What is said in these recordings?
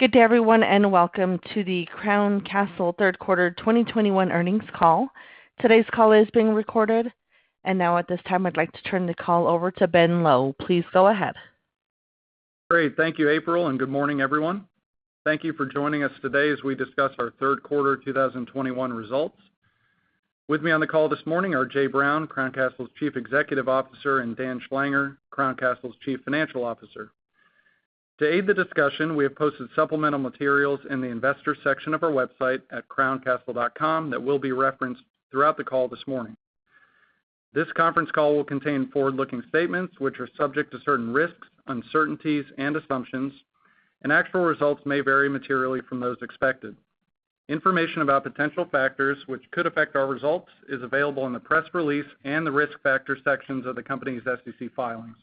Good day, everyone, welcome to the Crown Castle third quarter 2021 earnings call. Today's call is being recorded. Now at this time, I'd like to turn the call over to Ben Lowe. Please go ahead. Great. Thank you, April, good morning, everyone. Thank you for joining us today as we discuss our third quarter 2021 results. With me on the call this morning are Jay Brown, Crown Castle's Chief Executive Officer, and Dan Schlanger, Crown Castle's Chief Financial Officer. To aid the discussion, we have posted supplemental materials in the Investors section of our website at crowncastle.com that will be referenced throughout the call this morning. This conference call will contain forward-looking statements, which are subject to certain risks, uncertainties, and assumptions, and actual results may vary materially from those expected. Information about potential factors which could affect our results is available in the press release and the Risk Factors sections of the company's SEC filings.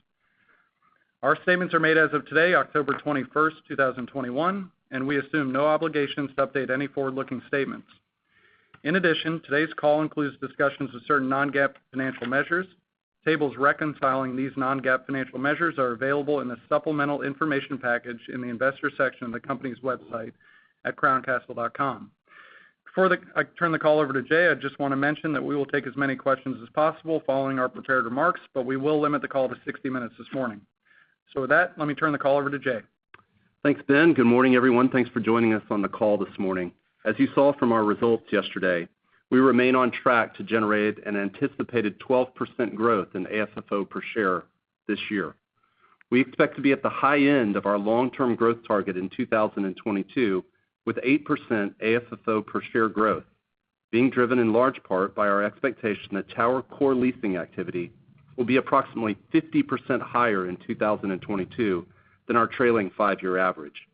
Our statements are made as of today, October 21st, 2021, and we assume no obligations to update any forward-looking statements. In addition, today's call includes discussions of certain non-GAAP financial measures. Tables reconciling these non-GAAP financial measures are available in the supplemental information package in the Investors section of the company's website at crowncastle.com. Before I turn the call over to Jay, I just want to mention that we will take as many questions as possible following our prepared remarks, but we will limit the call to 60 minutes this morning. With that, let me turn the call over to Jay. Thanks, Ben. Good morning, everyone. Thanks for joining us on the call this morning. As you saw from our results yesterday, we remain on track to generate an anticipated 12% growth in AFFO per share this year. We expect to be at the high end of our long-term growth target in 2022, with 8% AFFO per share growth being driven in large part by our expectation that tower core leasing activity will be approximately 50% higher in 2022 than our trailing five year average.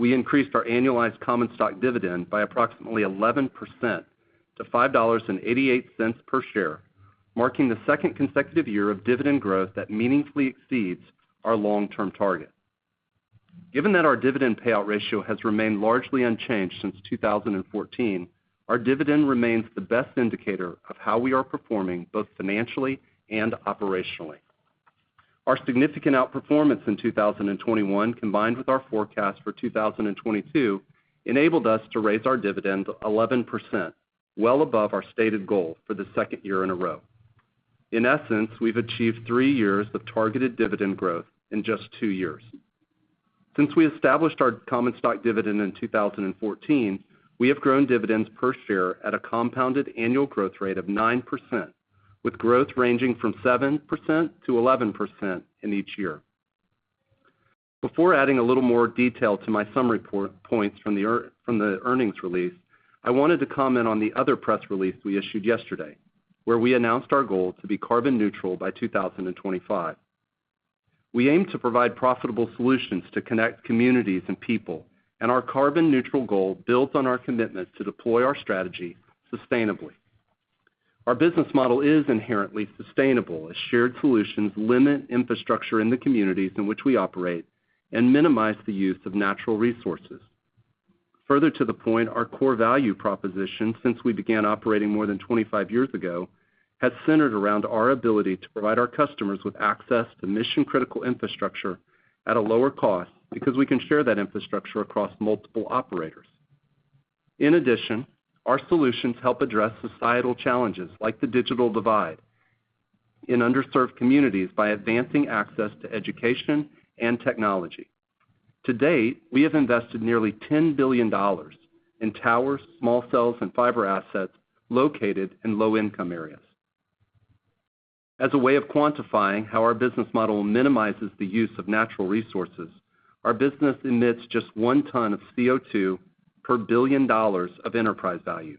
We increased our annualized common stock dividend by approximately 11% to $5.88 per share, marking the second consecutive year of dividend growth that meaningfully exceeds our long-term target. Given that our dividend payout ratio has remained largely unchanged since 2014, our dividend remains the best indicator of how we are performing, both financially and operationally. Our significant outperformance in 2021, combined with our forecast for 2022, enabled us to raise our dividend 11%, well above our stated goal for the second year in a row. In essence, we've achieved three years of targeted dividend growth in just two years. Since we established our common stock dividend in 2014, we have grown dividends per share at a compounded annual growth rate of 9%, with growth ranging from 7%-11% in each year. Before adding a little more detail to my summary points from the earnings release, I wanted to comment on the other press release we issued yesterday, where we announced our goal to be carbon neutral by 2025. We aim to provide profitable solutions to connect communities and people, and our carbon neutral goal builds on our commitment to deploy our strategy sustainably. Our business model is inherently sustainable, as shared solutions limit infrastructure in the communities in which we operate and minimize the use of natural resources. Further to the point, our core value proposition since we began operating more than 25 years ago, has centered around our ability to provide our customers with access to mission-critical infrastructure at a lower cost, because we can share that infrastructure across multiple operators. In addition, our solutions help address societal challenges, like the digital divide in underserved communities by advancing access to education and technology. To-date, we have invested nearly $10 billion in towers, small cells, and fiber assets located in low-income areas. As a way of quantifying how our business model minimizes the use of natural resources, our business emits just 1 ton of CO2 per $1 billion of enterprise value,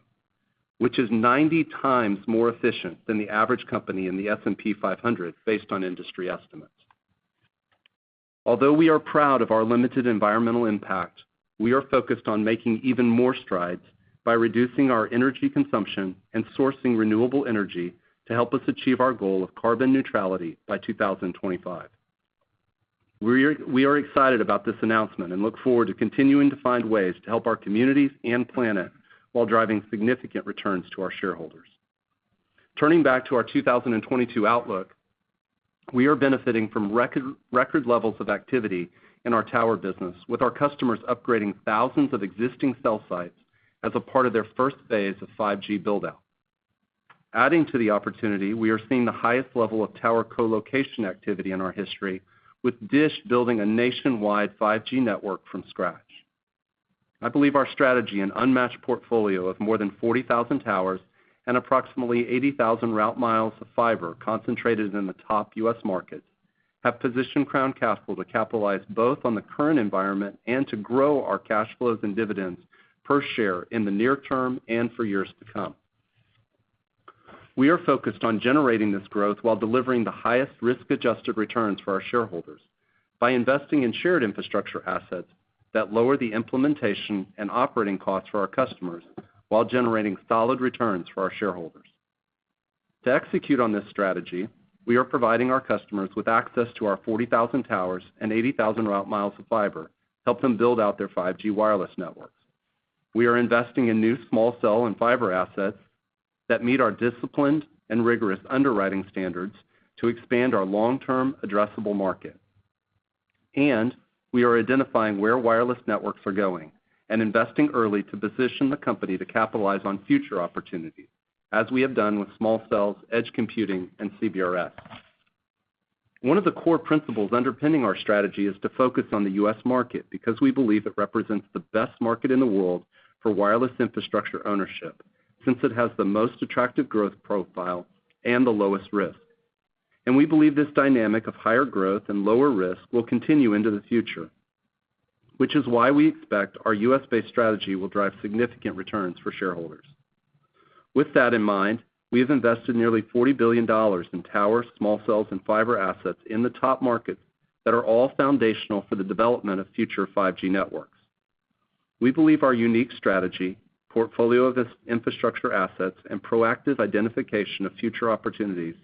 which is 90x more efficient than the average company in the S&P 500, based on industry estimates. Although we are proud of our limited environmental impact, we are focused on making even more strides by reducing our energy consumption and sourcing renewable energy to help us achieve our goal of carbon neutrality by 2025. We are excited about this announcement and look forward to continuing to find ways to help our communities and planet while driving significant returns to our shareholders. Turning back to our 2022 outlook, we are benefiting from record levels of activity in our tower business, with our customers upgrading thousands of existing cell sites as a part of their first phase of 5G build-out. Adding to the opportunity, we are seeing the highest level of tower co-location activity in our history, with DISH building a nationwide 5G network from scratch. I believe our strategy and unmatched portfolio of more than 40,000 towers and approximately 80,000 route miles of fiber concentrated in the top U.S. markets have positioned Crown Castle to capitalize both on the current environment and to grow our cash flows and dividends per share in the near term and for years to come. We are focused on generating this growth while delivering the highest risk-adjusted returns for our shareholders by investing in shared infrastructure assets that lower the implementation and operating costs for our customers while generating solid returns for our shareholders. To execute on this strategy, we are providing our customers with access to our 40,000 towers and 80,000 route miles of fiber help them build out their 5G wireless networks. We are investing in new small cell and fiber assets that meet our disciplined and rigorous underwriting standards to expand our long-term addressable market. We are identifying where wireless networks are going and investing early to position the company to capitalize on future opportunities, as we have done with small cells, edge computing, and CBRS. One of the core principles underpinning our strategy is to focus on the U.S. market because we believe it represents the best market in the world for wireless infrastructure ownership, since it has the most attractive growth profile and the lowest risk. We believe this dynamic of higher growth and lower risk will continue into the future, which is why we expect our U.S. based strategy will drive significant returns for shareholders. With that in mind, we have invested nearly $40 billion in tower, small cells, and fiber assets in the top markets that are all foundational for the development of future 5G networks. We believe our unique strategy, portfolio of infrastructure assets, and proactive identification of future opportunities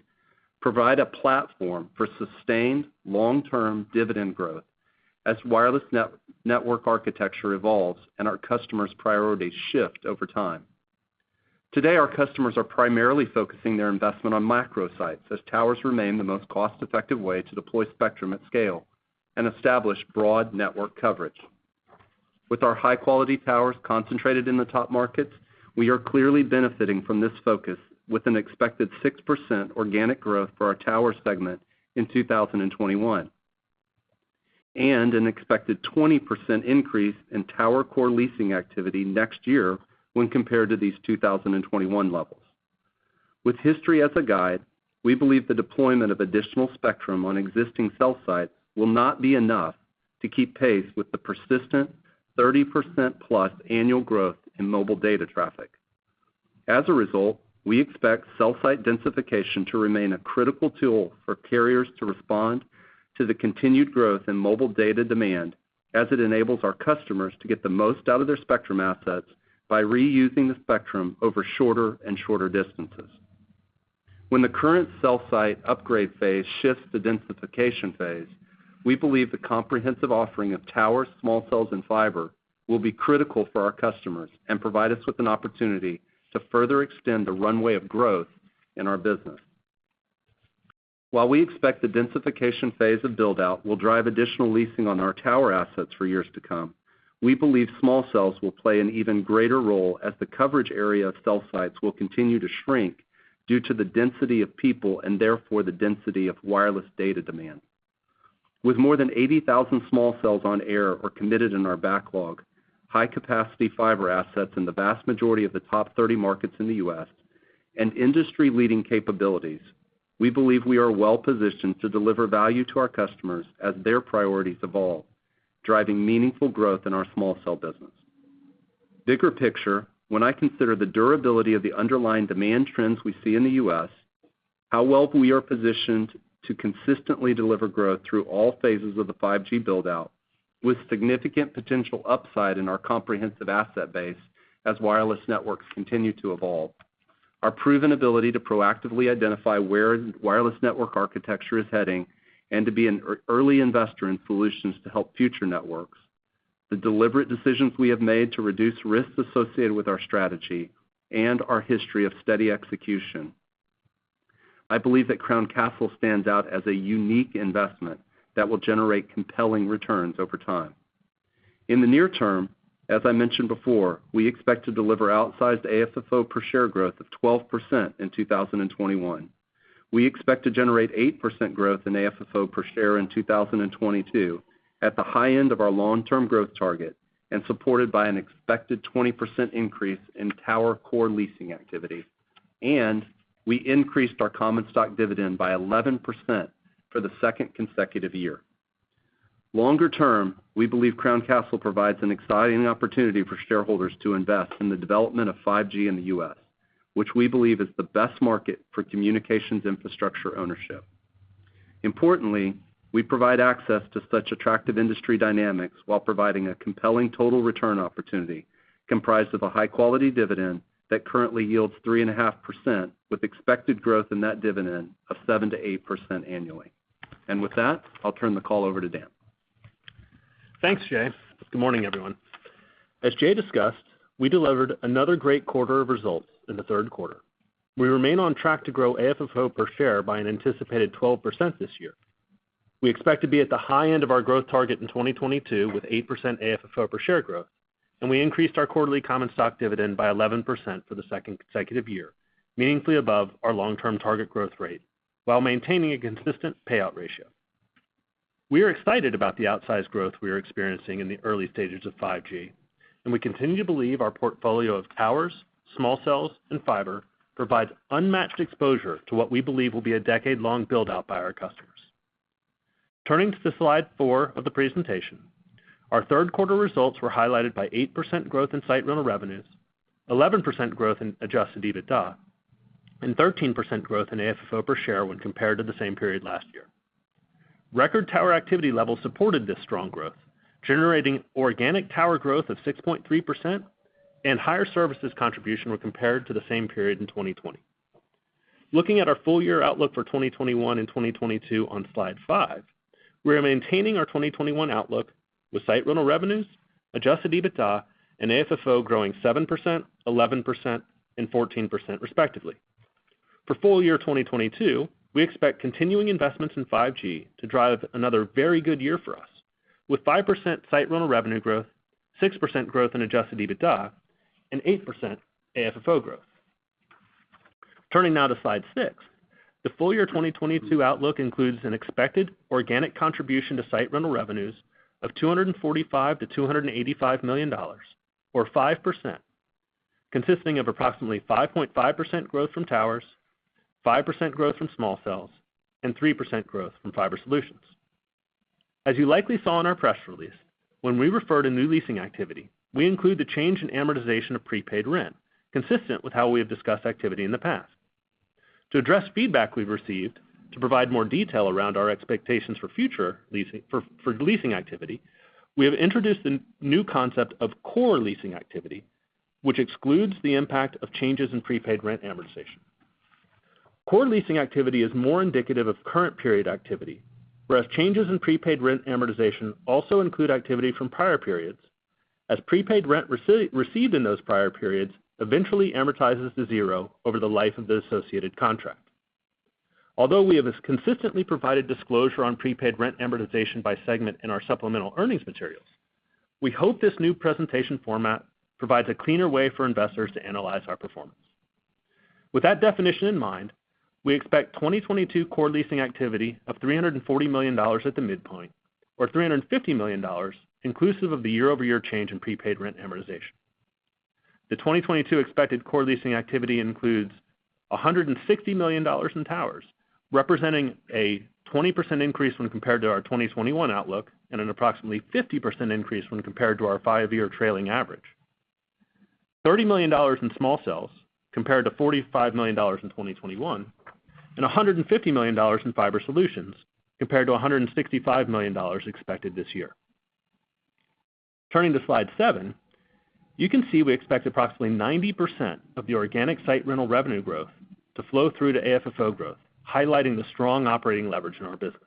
provide a platform for sustained long-term dividend growth as wireless network architecture evolves and our customers' priorities shift over time. Today, our customers are primarily focusing their investment on macro sites as towers remain the most cost-effective way to deploy spectrum at scale and establish broad network coverage. With our high-quality towers concentrated in the top markets, we are clearly benefiting from this focus with an expected 6% organic growth for our tower segment in 2021 and an expected 20% increase in tower core leasing activity next year when compared to these 2021 levels. With history as a guide, we believe the deployment of additional spectrum on existing cell sites will not be enough to keep pace with the persistent 30%+ annual growth in mobile data traffic. As a result, we expect cell site densification to remain a critical tool for carriers to respond to the continued growth in mobile data demand as it enables our customers to get the most out of their spectrum assets by reusing the spectrum over shorter and shorter distances. When the current cell site upgrade phase shifts to densification phase, we believe the comprehensive offering of towers, small cells, and fiber will be critical for our customers and provide us with an opportunity to further extend the runway of growth in our business. While we expect the densification phase of build-out will drive additional leasing on our tower assets for years to come, we believe small cells will play an even greater role as the coverage area of cell sites will continue to shrink due to the density of people and therefore the density of wireless data demand. With more than 80,000 small cells on air or committed in our backlog, high-capacity fiber assets in the vast majority of the top 30 markets in the U.S, and industry-leading capabilities, we believe we are well positioned to deliver value to our customers as their priorities evolve, driving meaningful growth in our small cell business. Bigger picture, when I consider the durability of the underlying demand trends we see in the U.S, how well we are positioned to consistently deliver growth through all phases of the 5G build-out with significant potential upside in our comprehensive asset base as wireless networks continue to evolve. Our proven ability to proactively identify where wireless network architecture is heading and to be an early investor in solutions to help future networks, the deliberate decisions we have made to reduce risks associated with our strategy, and our history of steady execution. I believe that Crown Castle stands out as a unique investment that will generate compelling returns over time. In the near term, as I mentioned before, we expect to deliver outsized AFFO per share growth of 12% in 2021. We expect to generate 8% growth in AFFO per share in 2022 at the high end of our long-term growth target and supported by an expected 20% increase in tower core leasing activity. We increased our common stock dividend by 11% for the second consecutive year. Longer term, we believe Crown Castle provides an exciting opportunity for shareholders to invest in the development of 5G in the U.S, which we believe is the best market for communications infrastructure ownership. Importantly, we provide access to such attractive industry dynamics while providing a compelling total return opportunity comprised of a high-quality dividend that currently yields 3.5% with expected growth in that dividend of 7%-8% annually. With that, I'll turn the call over to Dan. Thanks, Jay. Good morning, everyone. As Jay discussed, we delivered another great quarter of results in the third quarter. We remain on track to grow AFFO per share by an anticipated 12% this year. We expect to be at the high end of our growth target in 2022 with 8% AFFO per share growth, and we increased our quarterly common stock dividend by 11% for the second consecutive year, meaningfully above our long-term target growth rate, while maintaining a consistent payout ratio. We are excited about the outsized growth we are experiencing in the early stages of 5G, and we continue to believe our portfolio of towers, small cells, and fiber provides unmatched exposure to what we believe will be a decade-long build-out by our customers. Turning to the slide four of the presentation, our third quarter results were highlighted by 8% growth in site rental revenues, 11% growth in adjusted EBITDA, and 13% growth in AFFO per share when compared to the same period last year. Record tower activity levels supported this strong growth, generating organic tower growth of 6.3% and higher services contribution when compared to the same period in 2020. Looking at our full-year outlook for 2021 and 2022 on slide five, we are maintaining our 2021 outlook, with site rental revenues, adjusted EBITDA, and AFFO growing 7%, 11%, and 14% respectively. For full year 2022, we expect continuing investments in 5G to drive another very good year for us, with 5% site rental revenue growth, 6% growth in adjusted EBITDA, and 8% AFFO growth. Turning now to slide six, the full year 2022 outlook includes an expected organic contribution to site rental revenues of $245 million-$285 million, or 5%, consisting of approximately 5.5% growth from towers, 5% growth from small cells, and 3% growth from fiber solutions. As you likely saw in our press release, when we refer to new leasing activity, we include the change in amortization of prepaid rent, consistent with how we have discussed activity in the past. To address feedback we've received to provide more detail around our expectations for leasing activity, we have introduced a new concept of core leasing activity, which excludes the impact of changes in prepaid rent amortization. Core leasing activity is more indicative of current period activity, whereas changes in prepaid rent amortization also include activity from prior periods, as prepaid rent received in those prior periods eventually amortizes to zero over the life of the associated contract. We have consistently provided disclosure on prepaid rent amortization by segment in our supplemental earnings materials, we hope this new presentation format provides a cleaner way for investors to analyze our performance. That definition in mind, we expect 2022 core leasing activity of $340 million at the midpoint, or $350 million inclusive of the year-over-year change in prepaid rent amortization. The 2022 expected core leasing activity includes $160 million in towers, representing a 20% increase when compared to our 2021 outlook, and an approximately 50% increase when compared to our five-year trailing average. $30 million in small cells compared to $45 million in 2021, and $150 million in fiber solutions compared to $165 million expected this year. Turning to slide seven, you can see we expect approximately 90% of the organic site rental revenue growth to flow through to AFFO growth, highlighting the strong operating leverage in our business.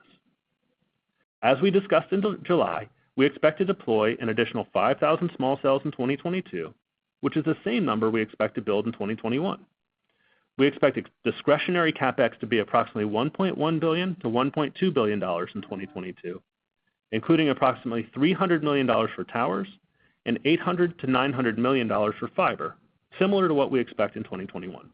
As we discussed in July, we expect to deploy an additional 5,000 small cells in 2022, which is the same number we expect to build in 2021. We expect discretionary CapEx to be approximately $1.1 billion-$1.2 billion in 2022, including approximately $300 million for towers and $800 million-$900 million for fiber, similar to what we expect in 2021.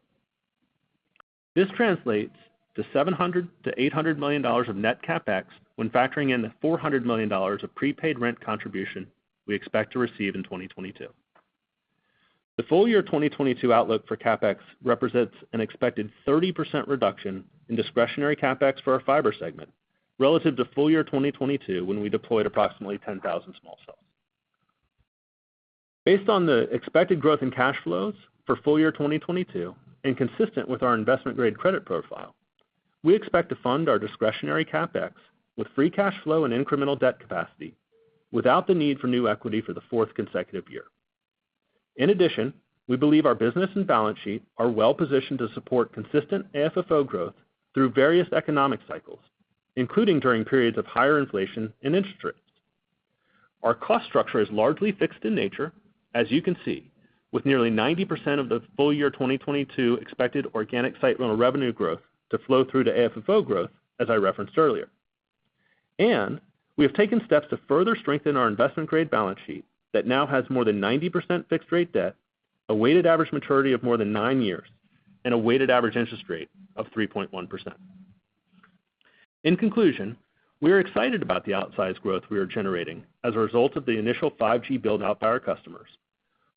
This translates to $700 million-$800 million of net CapEx when factoring in the $400 million of prepaid rent contribution we expect to receive in 2022. The full year 2022 outlook for CapEx represents an expected 30% reduction in discretionary CapEx for our fiber segment relative to full year 2022, when we deployed approximately 10,000 small cells. Based on the expected growth in cash flows for full year 2022, and consistent with our investment-grade credit profile, we expect to fund our discretionary CapEx with free cash flow and incremental debt capacity without the need for new equity for the fourth consecutive year. In addition, we believe our business and balance sheet are well positioned to support consistent AFFO growth through various economic cycles, including during periods of higher inflation and interest rates. Our cost structure is largely fixed in nature, as you can see, with nearly 90% of the full year 2022 expected organic site rental revenue growth to flow through to AFFO growth, as I referenced earlier. We have taken steps to further strengthen our investment-grade balance sheet that now has more than 90% fixed rate debt, a weighted average maturity of more than nine years, and a weighted average interest rate of 3.1%. In conclusion, we are excited about the outsized growth we are generating as a result of the initial 5G build-out by our customers,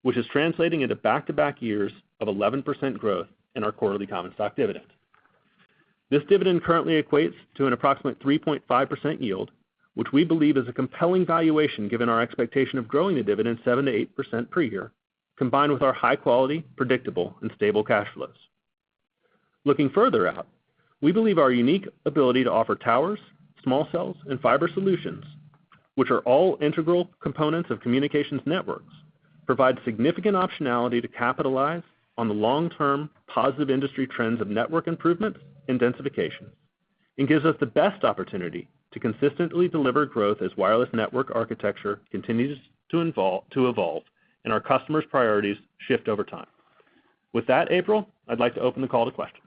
which is translating into back-to-back years of 11% growth in our quarterly common stock dividend. This dividend currently equates to an approximate 3.5% yield, which we believe is a compelling valuation given our expectation of growing the dividend 7%-8% per year, combined with our high quality, predictable, and stable cash flows. Looking further out, we believe our unique ability to offer towers, small cells, and fiber solutions, which are all integral components of communications networks, provide significant optionality to capitalize on the long-term positive industry trends of network improvement and densification. It gives us the best opportunity to consistently deliver growth as wireless network architecture continues to evolve and our customers' priorities shift over time. With that, April, I'd like to open the call to questions.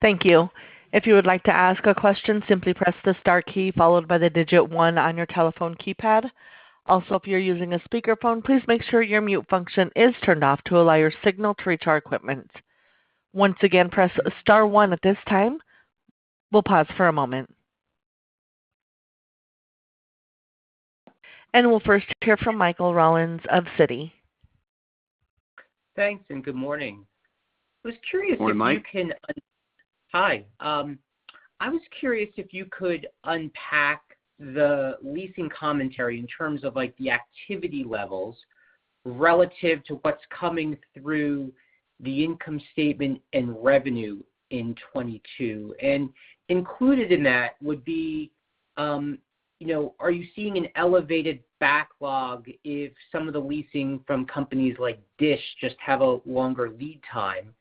Thank you. If you would like to ask a question, simply press the star key followed by the digit one on your telephone keypad. Also, if you're using a speakerphone, please make sure your mute function is turned off to allow your signal to reach our equipment. Once again, press star one at this time. We'll pause for a moment. We'll first hear from Michael Rollins of Citi. Thanks. Good morning. I was curious if you can. Morning, Mike. Hi. I was curious if you could unpack the leasing commentary in terms of the activity levels relative to what's coming through the income statement and revenue in 2022. Are you seeing an elevated backlog if some of the leasing from companies like DISH just have a longer lead time?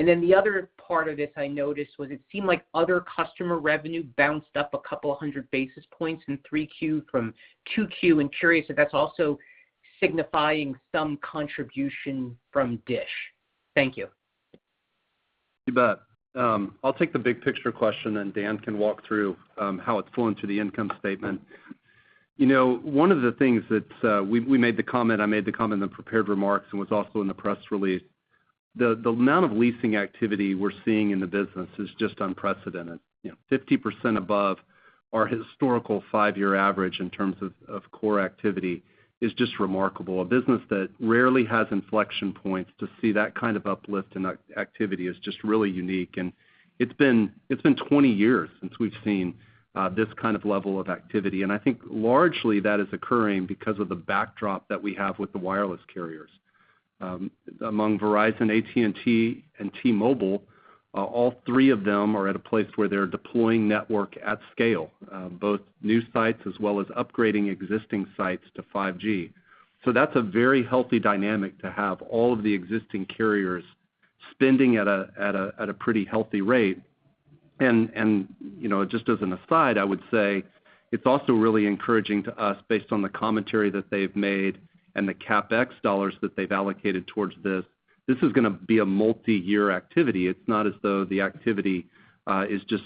The other part of this I noticed was it seemed like other customer revenue bounced up a couple of 100 basis points in Q3 from Q2 and curious if that's also signifying some contribution from DISH. Thank you. You bet. I'll take the big picture question, and Dan can walk through how it's flowing through the income statement. One of the things that I made the comment in the prepared remarks and was also in the press release, the amount of leasing activity we're seeing in the business is just unprecedented. 50% above our historical five-year average in terms of core activity is just remarkable. A business that rarely has inflection points, to see that kind of uplift in activity is just really unique, and it's been 20 years since we've seen this kind of level of activity. I think largely that is occurring because of the backdrop that we have with the wireless carriers. Among Verizon, AT&T, and T-Mobile, all three of them are at a place where they're deploying network at scale, both new sites as well as upgrading existing sites to 5G. That's a very healthy dynamic to have all of the existing carriers spending at a pretty healthy rate. Just as an aside, I would say it's also really encouraging to us based on the commentary that they've made and the CapEx dollars that they've allocated towards this is going to be a multi-year activity. It's not as though the activity is just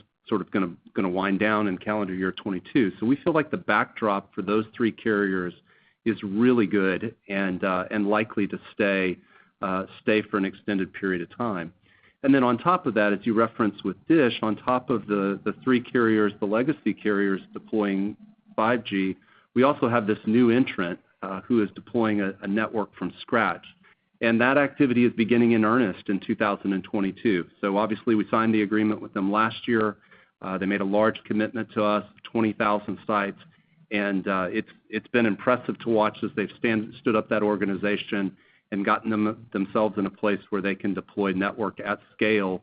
going to wind down in calendar year 2022. We feel like the backdrop for those three carriers is really good and likely to stay for an extended period of time. Then on top of that, as you referenced with DISH, on top of the three carriers, the legacy carriers deploying 5G, we also have this new entrant, who is deploying a network from scratch. That activity is beginning in earnest in 2022. Obviously, we signed the agreement with them last year. They made a large commitment to us, 20,000 sites. It's been impressive to watch as they've stood up that organization and gotten themselves in a place where they can deploy network at scale,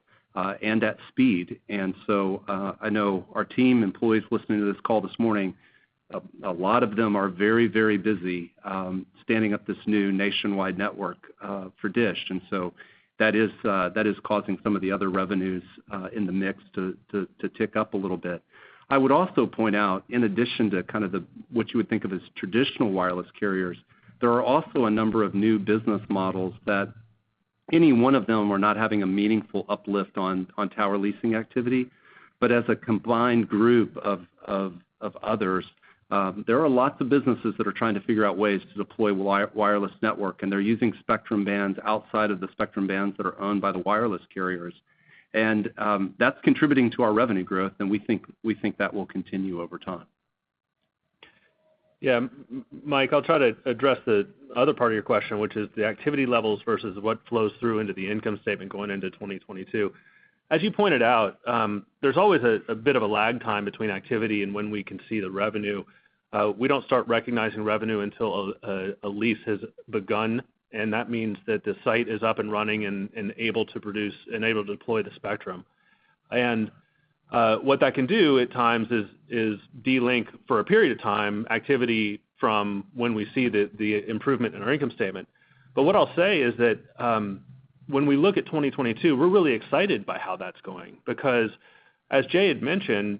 and at speed. I know our team, employees listening to this call this morning, a lot of them are very busy, standing up this new nationwide network for DISH. That is causing some of the other revenues in the mix to tick up a little bit. I would also point out, in addition to what you would think of as traditional wireless carriers, there are also a number of new business models that any one of them are not having a meaningful uplift on tower leasing activity. As a combined group of others, there are lots of businesses that are trying to figure out ways to deploy wireless network, and they're using spectrum bands outside of the spectrum bands that are owned by the wireless carriers. That's contributing to our revenue growth, and we think that will continue over time. Yeah. Michael, I'll try to address the other part of your question, which is the activity levels versus what flows through into the income statement going into 2022. As you pointed out, there's always a bit of a lag time between activity and when we can see the revenue. We don't start recognizing revenue until a lease has begun, and that means that the site is up and running and able to produce and able to deploy the spectrum. What that can do at times is delink, for a period of time, activity from when we see the improvement in our income statement. What I'll say is that, when we look at 2022, we're really excited by how that's going, because as Jay had mentioned,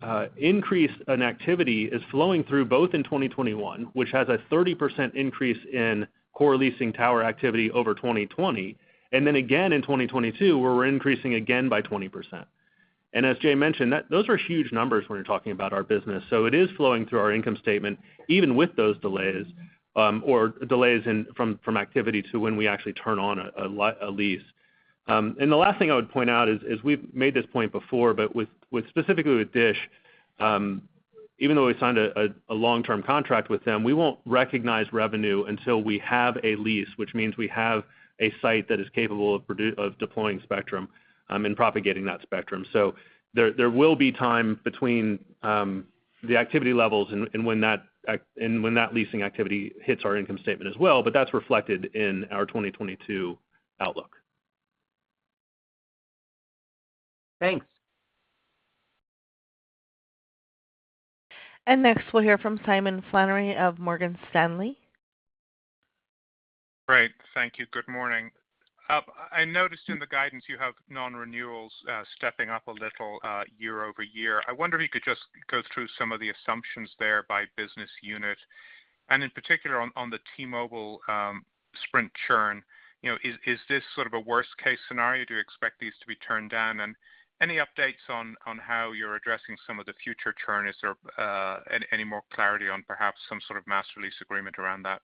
the increase in activity is flowing through both in 2021, which has a 30% increase in core leasing tower activity over 2020, and then again in 2022, where we're increasing again by 20%. As Jay mentioned, those are huge numbers when you're talking about our business. It is flowing through our income statement, even with those delays, or delays from activity to when we actually turn on a lease. The last thing I would point out is, we've made this point before, but specifically with DISH, even though we signed a long-term contract with them, we won't recognize revenue until we have a lease, which means we have a site that is capable of deploying spectrum and propagating that spectrum. There will be time between the activity levels and when that leasing activity hits our income statement as well, but that's reflected in our 2022 outlook. Thanks. Next we'll hear from Simon Flannery of Morgan Stanley. Great. Thank you. Good morning. I noticed in the guidance you have non-renewals stepping up a little year-over-year. I wonder if you could just go through some of the assumptions there by business unit, and in particular on the T-Mobile Sprint churn. Is this sort of a worst-case scenario? Do you expect these to be turned down? Any updates on how you're addressing some of the future churn? Is there any more clarity on perhaps some sort of Master Lease Agreement around that?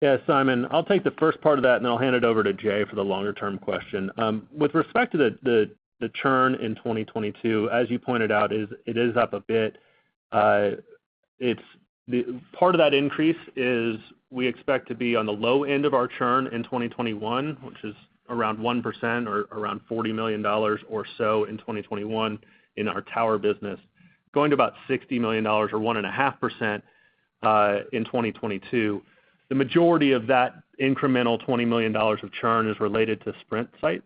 Yeah, Simon. I'll take the first part of that, and then I'll hand it over to Jay for the longer-term question. With respect to the churn in 2022, as you pointed out, it is up a bit. Part of that increase is we expect to be on the low end of our churn in 2021, which is around 1% or around $40 million or so in 2021 in our tower business, going to about $60 million, or 1.5% in 2022. The majority of that incremental $20 million of churn is related to Sprint sites.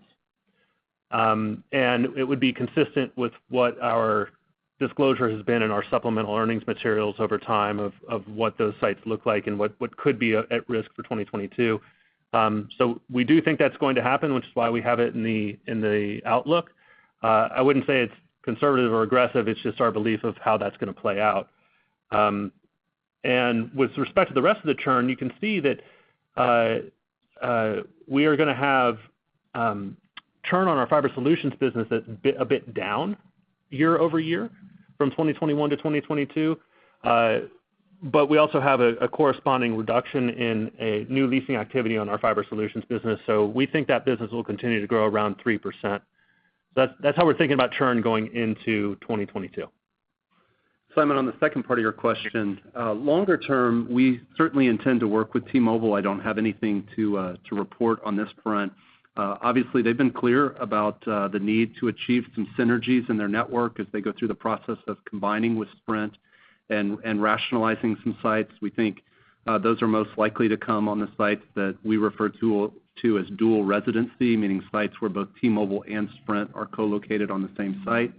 It would be consistent with what our disclosure has been in our supplemental earnings materials over time of what those sites look like and what could be at risk for 2022. We do think that's going to happen, which is why we have it in the outlook. I wouldn't say it's conservative or aggressive, it's just our belief of how that's going to play out. With respect to the rest of the churn, you can see that we are going to have churn on our fiber solutions business that's a bit down year-over-year from 2021-2022. We also have a corresponding reduction in new leasing activity on our fiber solutions business, so we think that business will continue to grow around 3%. That's how we're thinking about churn going into 2022. Simon, on the second part of your question, longer term, we certainly intend to work with T-Mobile. I don't have anything to report on this front. Obviously, they've been clear about the need to achieve some synergies in their network as they go through the process of combining with Sprint and rationalizing some sites. We think those are most likely to come on the sites that we refer to as dual residency, meaning sites where both T-Mobile and Sprint are co-located on the same site.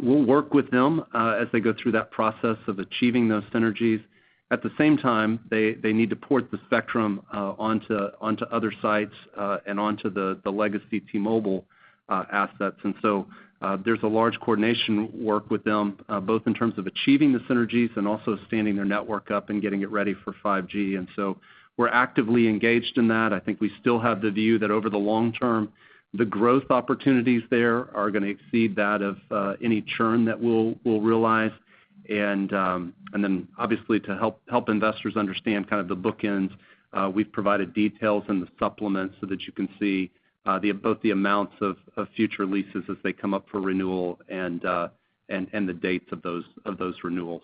We'll work with them as they go through that process of achieving those synergies. At the same time, they need to port the spectrum onto other sites and onto the legacy T-Mobile assets. There's a large coordination work with them, both in terms of achieving the synergies and also standing their network up and getting it ready for 5G. We're actively engaged in that. I think we still have the view that over the long term, the growth opportunities there are going to exceed that of any churn that we'll realize. Obviously, to help investors understand the bookends, we've provided details in the supplement so that you can see both the amounts of future leases as they come up for renewal and the dates of those renewals.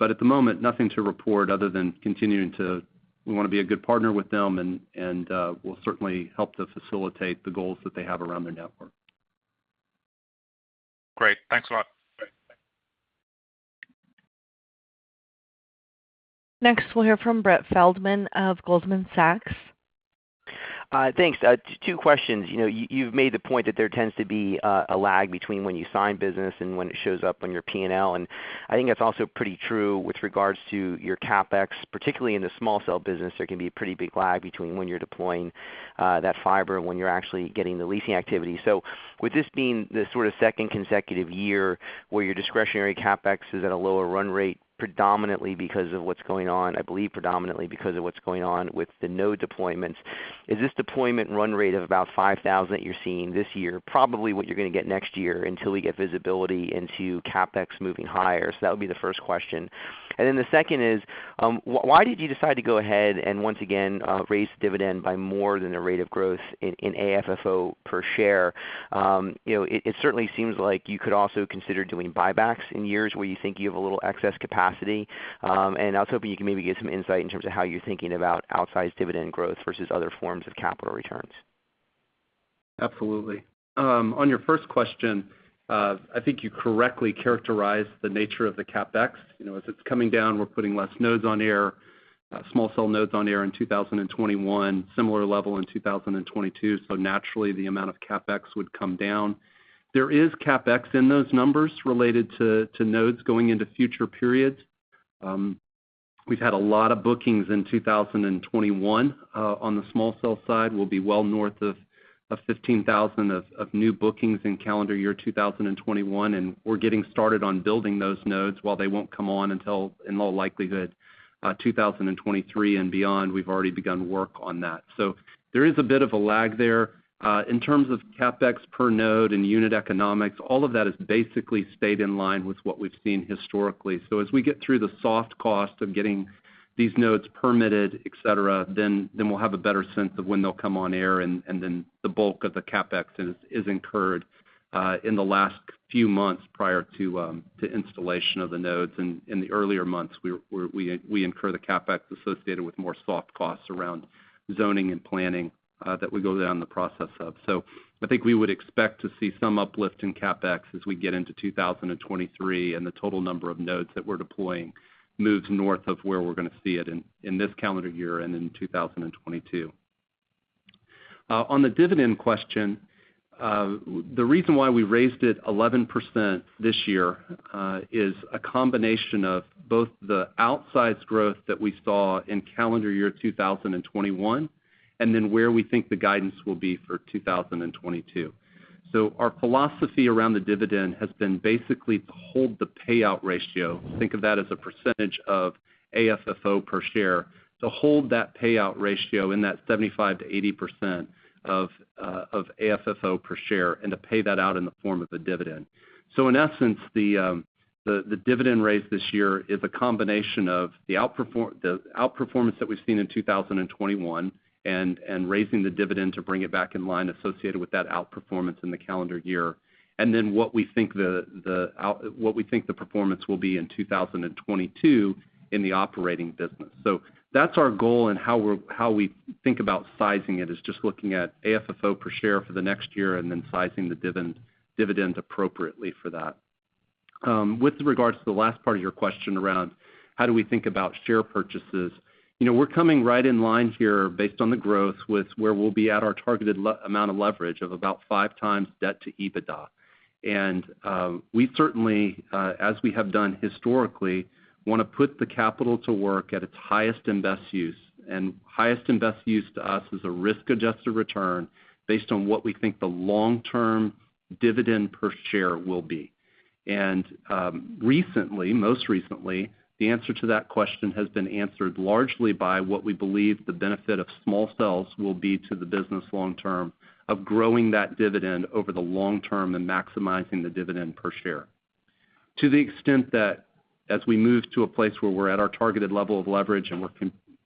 At the moment, nothing to report other than we want to be a good partner with them and we'll certainly help to facilitate the goals that they have around their network. Great. Thanks a lot. Great. Thanks. Next, we'll hear from Brett Feldman of Goldman Sachs. Thanks. Two questions. You've made the point that there tends to be a lag between when you sign business and when it shows up on your P&L, and I think that's also pretty true with regards to your CapEx. Particularly in the small cell business, there can be a pretty big lag between when you're deploying that fiber and when you're actually getting the leasing activity. With this being the second consecutive year where your discretionary CapEx is at a lower run rate, predominantly because of what's going on, I believe predominantly because of what's going on with the node deployments, is this deployment run rate of about 5,000 that you're seeing this year probably what you're going to get next year until we get visibility into CapEx moving higher? That would be the first question. The second is, why did you decide to go ahead and once again raise the dividend by more than the rate of growth in AFFO per share? It certainly seems like you could also consider doing buybacks in years where you think you have a little excess capacity. I was hoping you could maybe give some insight in terms of how you're thinking about outsized dividend growth versus other forms of capital returns? Absolutely. On your first question, I think you correctly characterized the nature of the CapEx. As it's coming down, we're putting less nodes on air, small cell nodes on air in 2021, similar level in 2022, naturally the amount of CapEx would come down. There is CapEx in those numbers related to nodes going into future periods. We've had a lot of bookings in 2021 on the small cell side. We'll be well north of 15,000 of new bookings in calendar year 2021, and we're getting started on building those nodes. While they won't come on until, in all likelihood, 2023 and beyond, we've already begun work on that. There is a bit of a lag there. In terms of CapEx per node and unit economics, all of that has basically stayed in line with what we've seen historically. As we get through the soft cost of getting these nodes permitted, et cetera, then we'll have a better sense of when they'll come on air, and then the bulk of the CapEx is incurred in the last few months prior to installation of the nodes. In the earlier months, we incur the CapEx associated with more soft costs around zoning and planning that we go down the process of. I think we would expect to see some uplift in CapEx as we get into 2023 and the total number of nodes that we're deploying moves north of where we're going to see it in this calendar year and in 2022. On the dividend question, the reason why we raised it 11% this year is a combination of both the outsized growth that we saw in calendar year 2021 and then where we think the guidance will be for 2022. Our philosophy around the dividend has been basically to hold the payout ratio, think of that as a percentage of AFFO per share, to hold that payout ratio in that 75%-80% of AFFO per share and to pay that out in the form of a dividend. In essence, the dividend raise this year is a combination of the outperformance that we've seen in 2021 and raising the dividend to bring it back in line associated with that outperformance in the calendar year, and then what we think the performance will be in 2022 in the operating business. That's our goal and how we think about sizing it is just looking at AFFO per share for the next year and then sizing the dividend appropriately for that. With regards to the last part of your question around how do we think about share purchases. We're coming right in line here based on the growth with where we'll be at our targeted amount of leverage of about five times debt to EBITDA. We certainly, as we have done historically, want to put the capital to work at its highest and best use. Highest and best use to us is a risk-adjusted return based on what we think the long-term dividend per share will be. Recently, most recently, the answer to that question has been answered largely by what we believe the benefit of small cells will be to the business long term, of growing that dividend over the long term and maximizing the dividend per share. To the extent that as we move to a place where we're at our targeted level of leverage and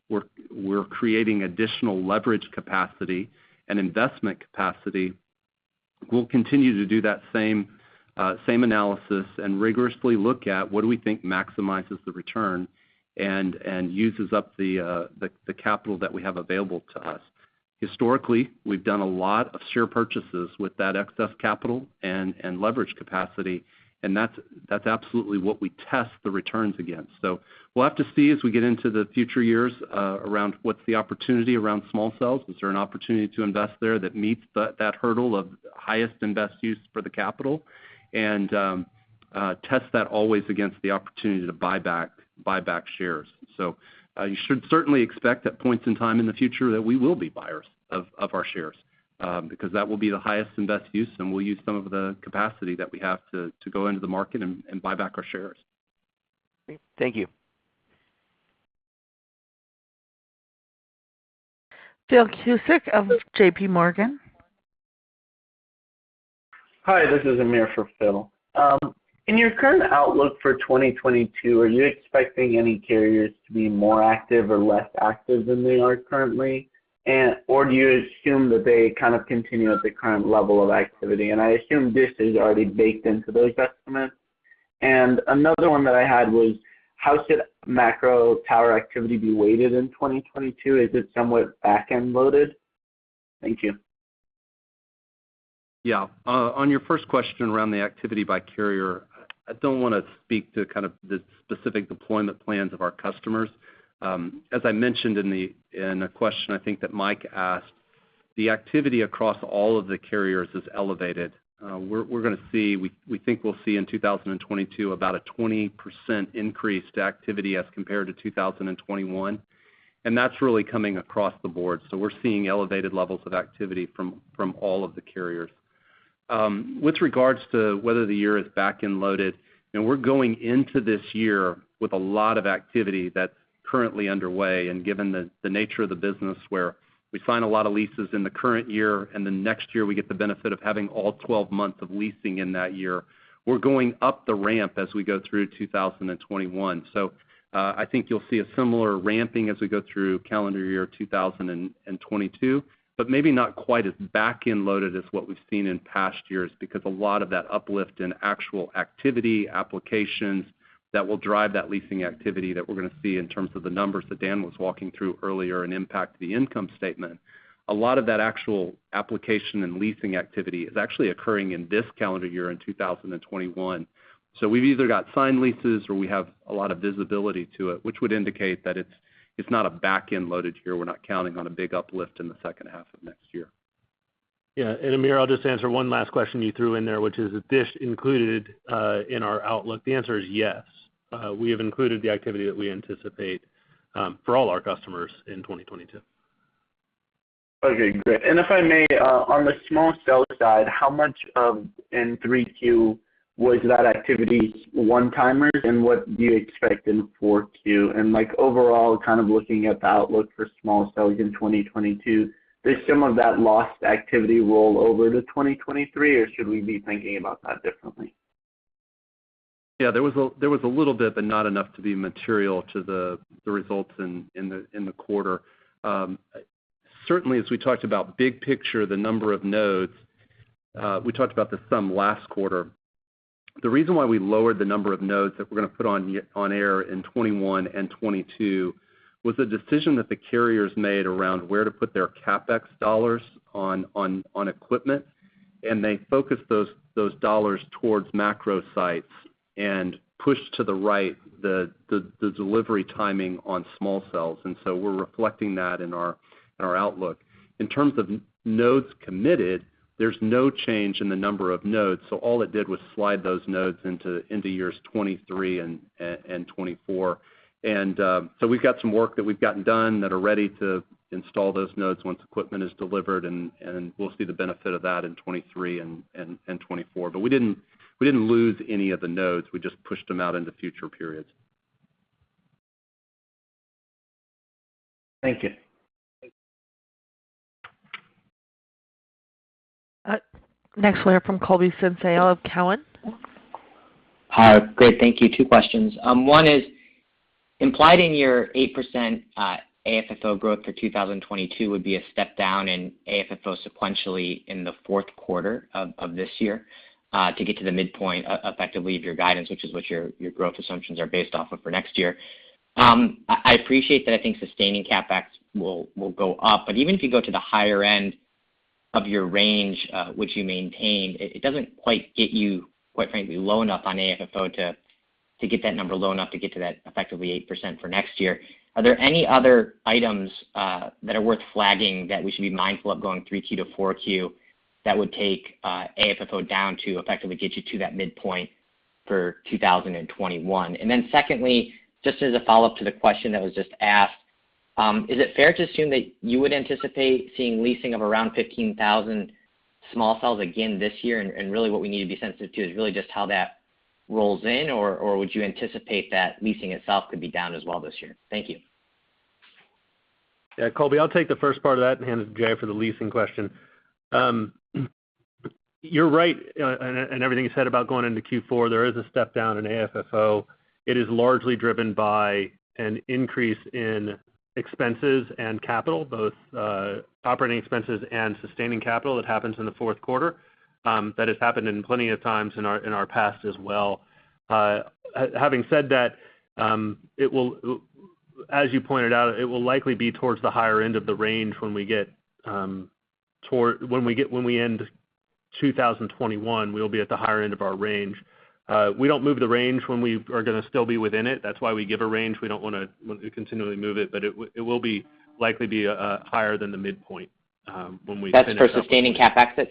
we're creating additional leverage capacity and investment capacity, we'll continue to do that same analysis and rigorously look at what do we think maximizes the return and uses up the capital that we have available to us. Historically, we've done a lot of share purchases with that excess capital and leverage capacity, and that's absolutely what we test the returns against. We'll have to see as we get into the future years, around what's the opportunity around small cells. Is there an opportunity to invest there that meets that hurdle of highest and best use for the capital? Test that always against the opportunity to buy back shares. You should certainly expect at points in time in the future that we will be buyers of our shares, because that will be the highest and best use, and we'll use some of the capacity that we have to go into the market and buy back our shares. Great. Thank you. Phil Cusick of JPMorgan. Hi, this is Amir for Phil. In your current outlook for 2022, are you expecting any carriers to be more active or less active than they are currently? Do you assume that they kind of continue at the current level of activity? I assume DISH is already baked into those estimates. Another one that I had was, how should macro tower activity be weighted in 2022? Is it somewhat back-end loaded? Thank you. On your first question around the activity by carrier, I don't wanna speak to kind of the specific deployment plans of our customers. As I mentioned in a question I think that Michael asked, the activity across all of the carriers is elevated. We think we'll see in 2022 about a 20% increased activity as compared to 2021, and that's really coming across the board. We're seeing elevated levels of activity from all of the carriers. With regards to whether the year is back-end loaded, we're going into this year with a lot of activity that's currently underway, and given the nature of the business where we sign a lot of leases in the current year, and then next year, we get the benefit of having all 12 months of leasing in that year. We're going up the ramp as we go through 2021. I think you'll see a similar ramping as we go through calendar year 2022, but maybe not quite as back-end loaded as what we've seen in past years. Because a lot of that uplift in actual activity applications that will drive that leasing activity that we're gonna see in terms of the numbers that Dan was walking through earlier and impact the income statement. A lot of that actual application and leasing activity is actually occurring in this calendar year in 2021. We've either got signed leases or we have a lot of visibility to it, which would indicate that it's not a back-end loaded year. We're not counting on a big uplift in the second half of next year. Yeah. Amir, I'll just answer one last question you threw in there, which is DISH included in our outlook? The answer is yes. We have included the activity that we anticipate for all our customers in 2022. Okay, great. If I may, on the small cell side, how much of in 3Q was that activity one-timers, and what do you expect in 4Q? Like overall, kind of looking at the outlook for small cells in 2022, does some of that lost activity roll over to 2023, or should we be thinking about that differently? Yeah, there was a little bit, but not enough to be material to the results in the quarter. Certainly, as we talked about big picture, the number of nodes, we talked about this some last quarter. The reason why we lowered the number of nodes that we're gonna put on air in 2021 and 2022 was a decision that the carriers made around where to put their CapEx dollars on equipment. They focused those dollars towards macro sites and pushed to the right the delivery timing on small cells. We're reflecting that in our outlook. In terms of nodes committed, there's no change in the number of nodes, so all it did was slide those nodes into years 2023 and 2024. We've got some work that we've gotten done that are ready to install those nodes once equipment is delivered, and we'll see the benefit of that in 2023 and 2024. We didn't lose any of the nodes. We just pushed them out into future periods. Thank you. Next line from Colby Synesael of Cowen. Hi. Great, thank you. Two questions. One is, implied in your 8% AFFO growth for 2022 would be a step down in AFFO sequentially in the fourth quarter of this year, to get to the midpoint effectively of your guidance, which is what your growth assumptions are based off of for next year. I appreciate that I think sustaining CapEx will go up, but even if you go to the higher end of your range, which you maintained, it doesn't quite get you, quite frankly, low enough on AFFO to get that number low enough to get to that effectively 8% for next year. Are there any other items that are worth flagging that we should be mindful of going 3Q-4Q that would take AFFO down to effectively get you to that midpoint for 2021? Secondly, just as a follow-up to the question that was just asked, is it fair to assume that you would anticipate seeing leasing of around 15,000 small cells again this year? Really what we need to be sensitive to is really just how that rolls in, or would you anticipate that leasing itself could be down as well this year? Thank you. Yeah, Colby, I'll take the first part of that and hand it to Jay for the leasing question. You're right. Everything you said about going into Q4, there is a step down in AFFO. It is largely driven by an increase in expenses and capital, both operating expenses and sustaining capital that happens in the fourth quarter. That has happened plenty of times in our past as well. Having said that, as you pointed out, it will likely be towards the higher end of the range when we end 2021. We'll be at the higher end of our range. We don't move the range when we are going to still be within it. That's why we give a range. We don't want to continually move it will likely be higher than the midpoint when we finish. That's for sustaining CapEx?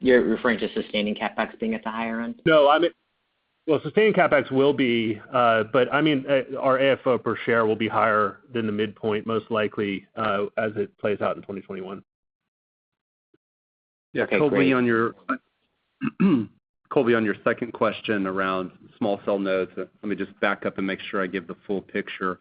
You're referring to sustaining CapEx being at the higher end? No. Well, sustaining CapEx will be, but our AFFO per share will be higher than the midpoint, most likely, as it plays out in 2021. Okay, great. Colby, on your second question around small cell nodes, let me just back up and make sure I give the full picture.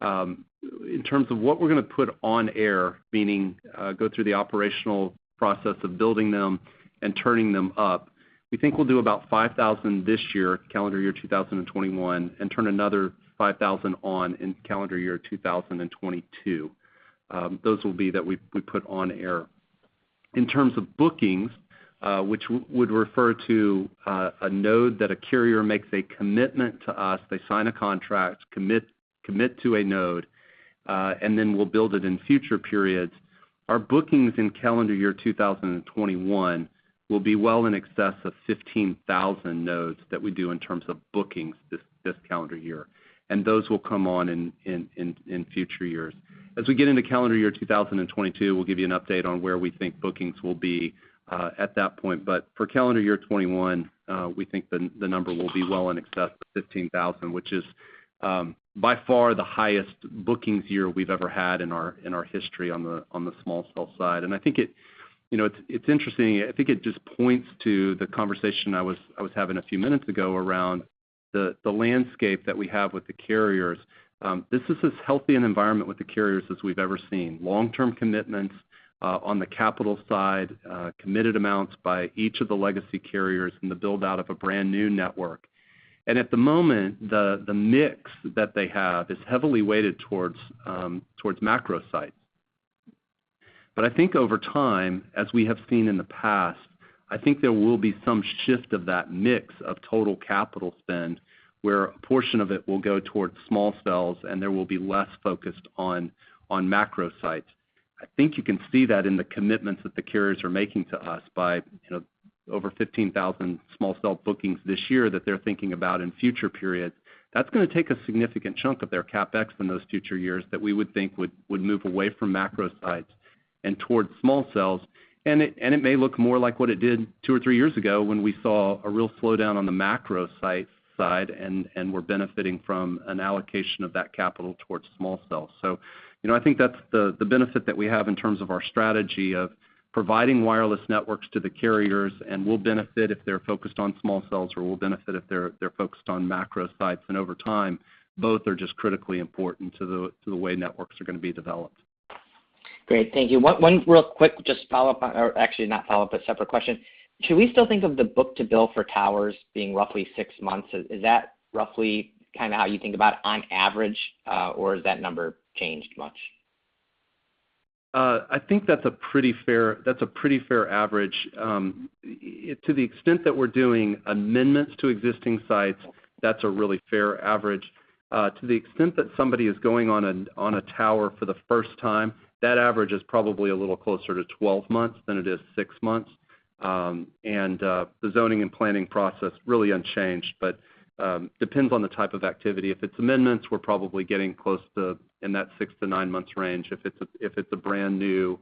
In terms of what we're going to put on air, meaning go through the operational process of building them and turning them up, we think we'll do about 5,000 this year, calendar year 2021, and turn another 5,000 on in calendar year 2022. Those will be that we put on air. In terms of bookings, which would refer to a node that a carrier makes a commitment to us, they sign a contract, commit to a node, and then we'll build it in future periods. Our bookings in calendar year 2021 will be well in excess of 15,000 nodes that we do in terms of bookings this calendar year. Those will come on in future years. As we get into calendar year 2022, we'll give you an update on where we think bookings will be at that point. For calendar year 2021, we think the number will be well in excess of 15,000, which is by far the highest bookings year we've ever had in our history on the small cell side. I think it's interesting. I think it just points to the conversation I was having a few minutes ago around the landscape that we have with the carriers. This is as healthy an environment with the carriers as we've ever seen, long-term commitments on the capital side, committed amounts by each of the legacy carriers in the build-out of a brand-new network. At the moment, the mix that they have is heavily weighted towards macro sites. I think over time, as we have seen in the past, I think there will be some shift of that mix of total capital spend, where a portion of it will go towards small cells, and there will be less focused on macro sites. I think you can see that in the commitments that the carriers are making to us by over 15,000 small cell bookings this year that they're thinking about in future periods. That's going to take a significant chunk of their CapEx in those future years that we would think would move away from macro sites and towards small cells. It may look more like what it did two or three years ago when we saw a real slowdown on the macro site side and were benefiting from an allocation of that capital towards small cells. I think that's the benefit that we have in terms of our strategy of providing wireless networks to the carriers, and we'll benefit if they're focused on small cells, or we'll benefit if they're focused on macro sites. Over time, both are just critically important to the way networks are going to be developed. Great. Thank you. One real quick separate question. Should we still think of the book-to-bill for towers being roughly six months? Is that roughly how you think about on average, or has that number changed much? I think that's a pretty fair average. To the extent that we're doing amendments to existing sites, that's a really fair average. To the extent that somebody is going on a tower for the first time, that average is probably a little closer to 12 months than it is six months. The zoning and planning process, really unchanged, but depends on the type of activity. If it's amendments, we're probably getting close to in that six-nine months range. If it's a brand-new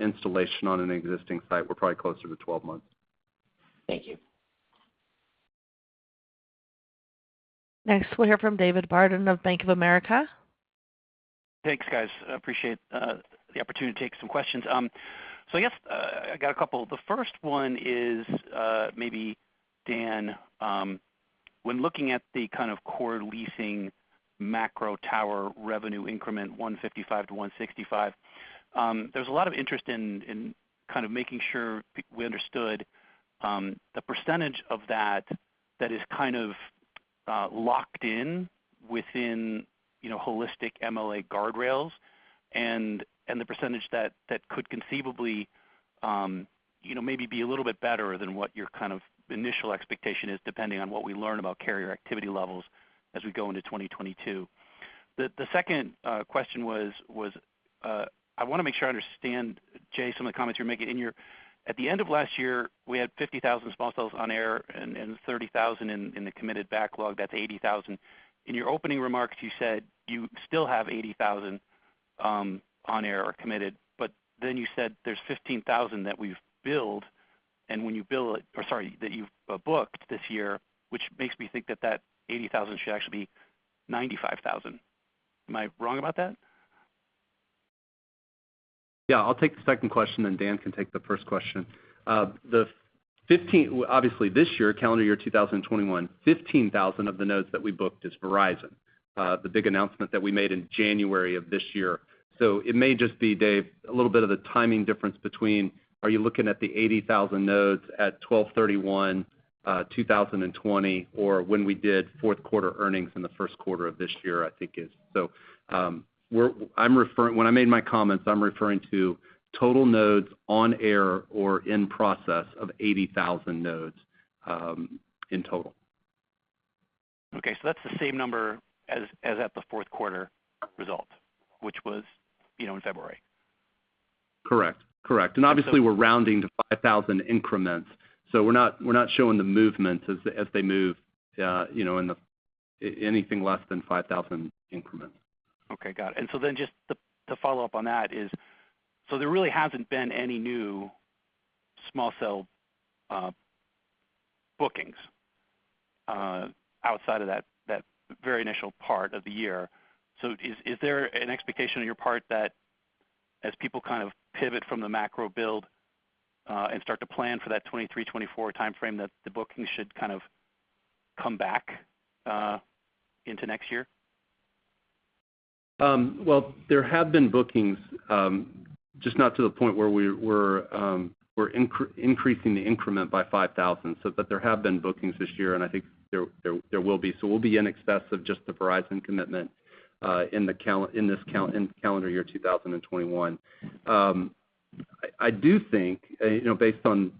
installation on an existing site, we're probably closer to 12 months. Thank you. Next, we'll hear from David Barden of Bank of America. Thanks, guys. Appreciate the opportunity to take some questions. I guess I got a couple. The first one is, maybe Dan, when looking at the kind of core leasing macro tower revenue increment $155 million-$165 million, there's a lot of interest in kind of making sure we understood the percentage of that that is kind of locked in within holistic MLA guardrails and the percentage that could conceivably maybe be a little bit better than what your kind of initial expectation is, depending on what we learn about carrier activity levels as we go into 2022. The second question was, I want to make sure I understand, Jay, some of the comments you're making. At the end of last year, we had 50,000 small cells on air and 30,000 in the committed backlog. That's 80,000. In your opening remarks, you said you still have 80,000 on air or committed, but then you said there's 15,000 that we've booked this year, which makes me think that that 80,000 should actually be 95,000. Am I wrong about that? Yeah, I'll take the second question, then Dan can take the first question. Obviously, this year, calendar year 2021, 15,000 of the nodes that we booked is Verizon, the big announcement that we made in January of this year. It may just be, Dave, a little bit of the timing difference between, are you looking at the 80,000 nodes at 12/31/2020, or when we did fourth quarter earnings in the first quarter of this year, I think is. When I made my comments, I'm referring to total nodes on air or in process of 80,000 nodes in total. Okay, that's the same number as at the fourth quarter result, which was in February. Correct. Obviously, we're rounding to 5,000 increments, so we're not showing the movements as they move in anything less than 5,000 increments. Okay, got it. Just to follow up on that is, so there really hasn't been any new small cell bookings outside of that very initial part of the year. Is there an expectation on your part that as people pivot from the macro build, and start to plan for that 2023, 2024 timeframe, that the bookings should come back into next year? Well, there have been bookings, just not to the point where we're increasing the increment by 5,000. There have been bookings this year, and I think there will be. We'll be in excess of just the Verizon commitment in calendar year 2021. I do think, based on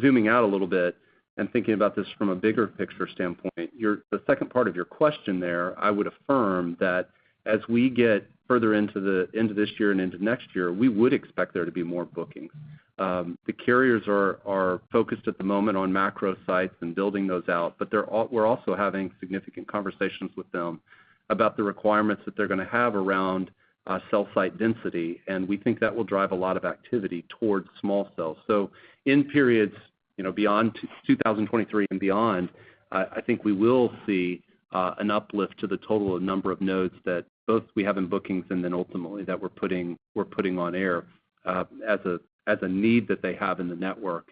zooming out a little bit and thinking about this from a bigger picture standpoint, the second part of your question there, I would affirm that as we get further into this year and into next year, we would expect there to be more bookings. The carriers are focused at the moment on macro sites and building those out, but we're also having significant conversations with them about the requirements that they're going to have around cell site density, and we think that will drive a lot of activity towards small cells. In periods, 2023 and beyond, I think we will see an uplift to the total number of nodes that both we have in bookings and then ultimately that we're putting on air as a need that they have in the network,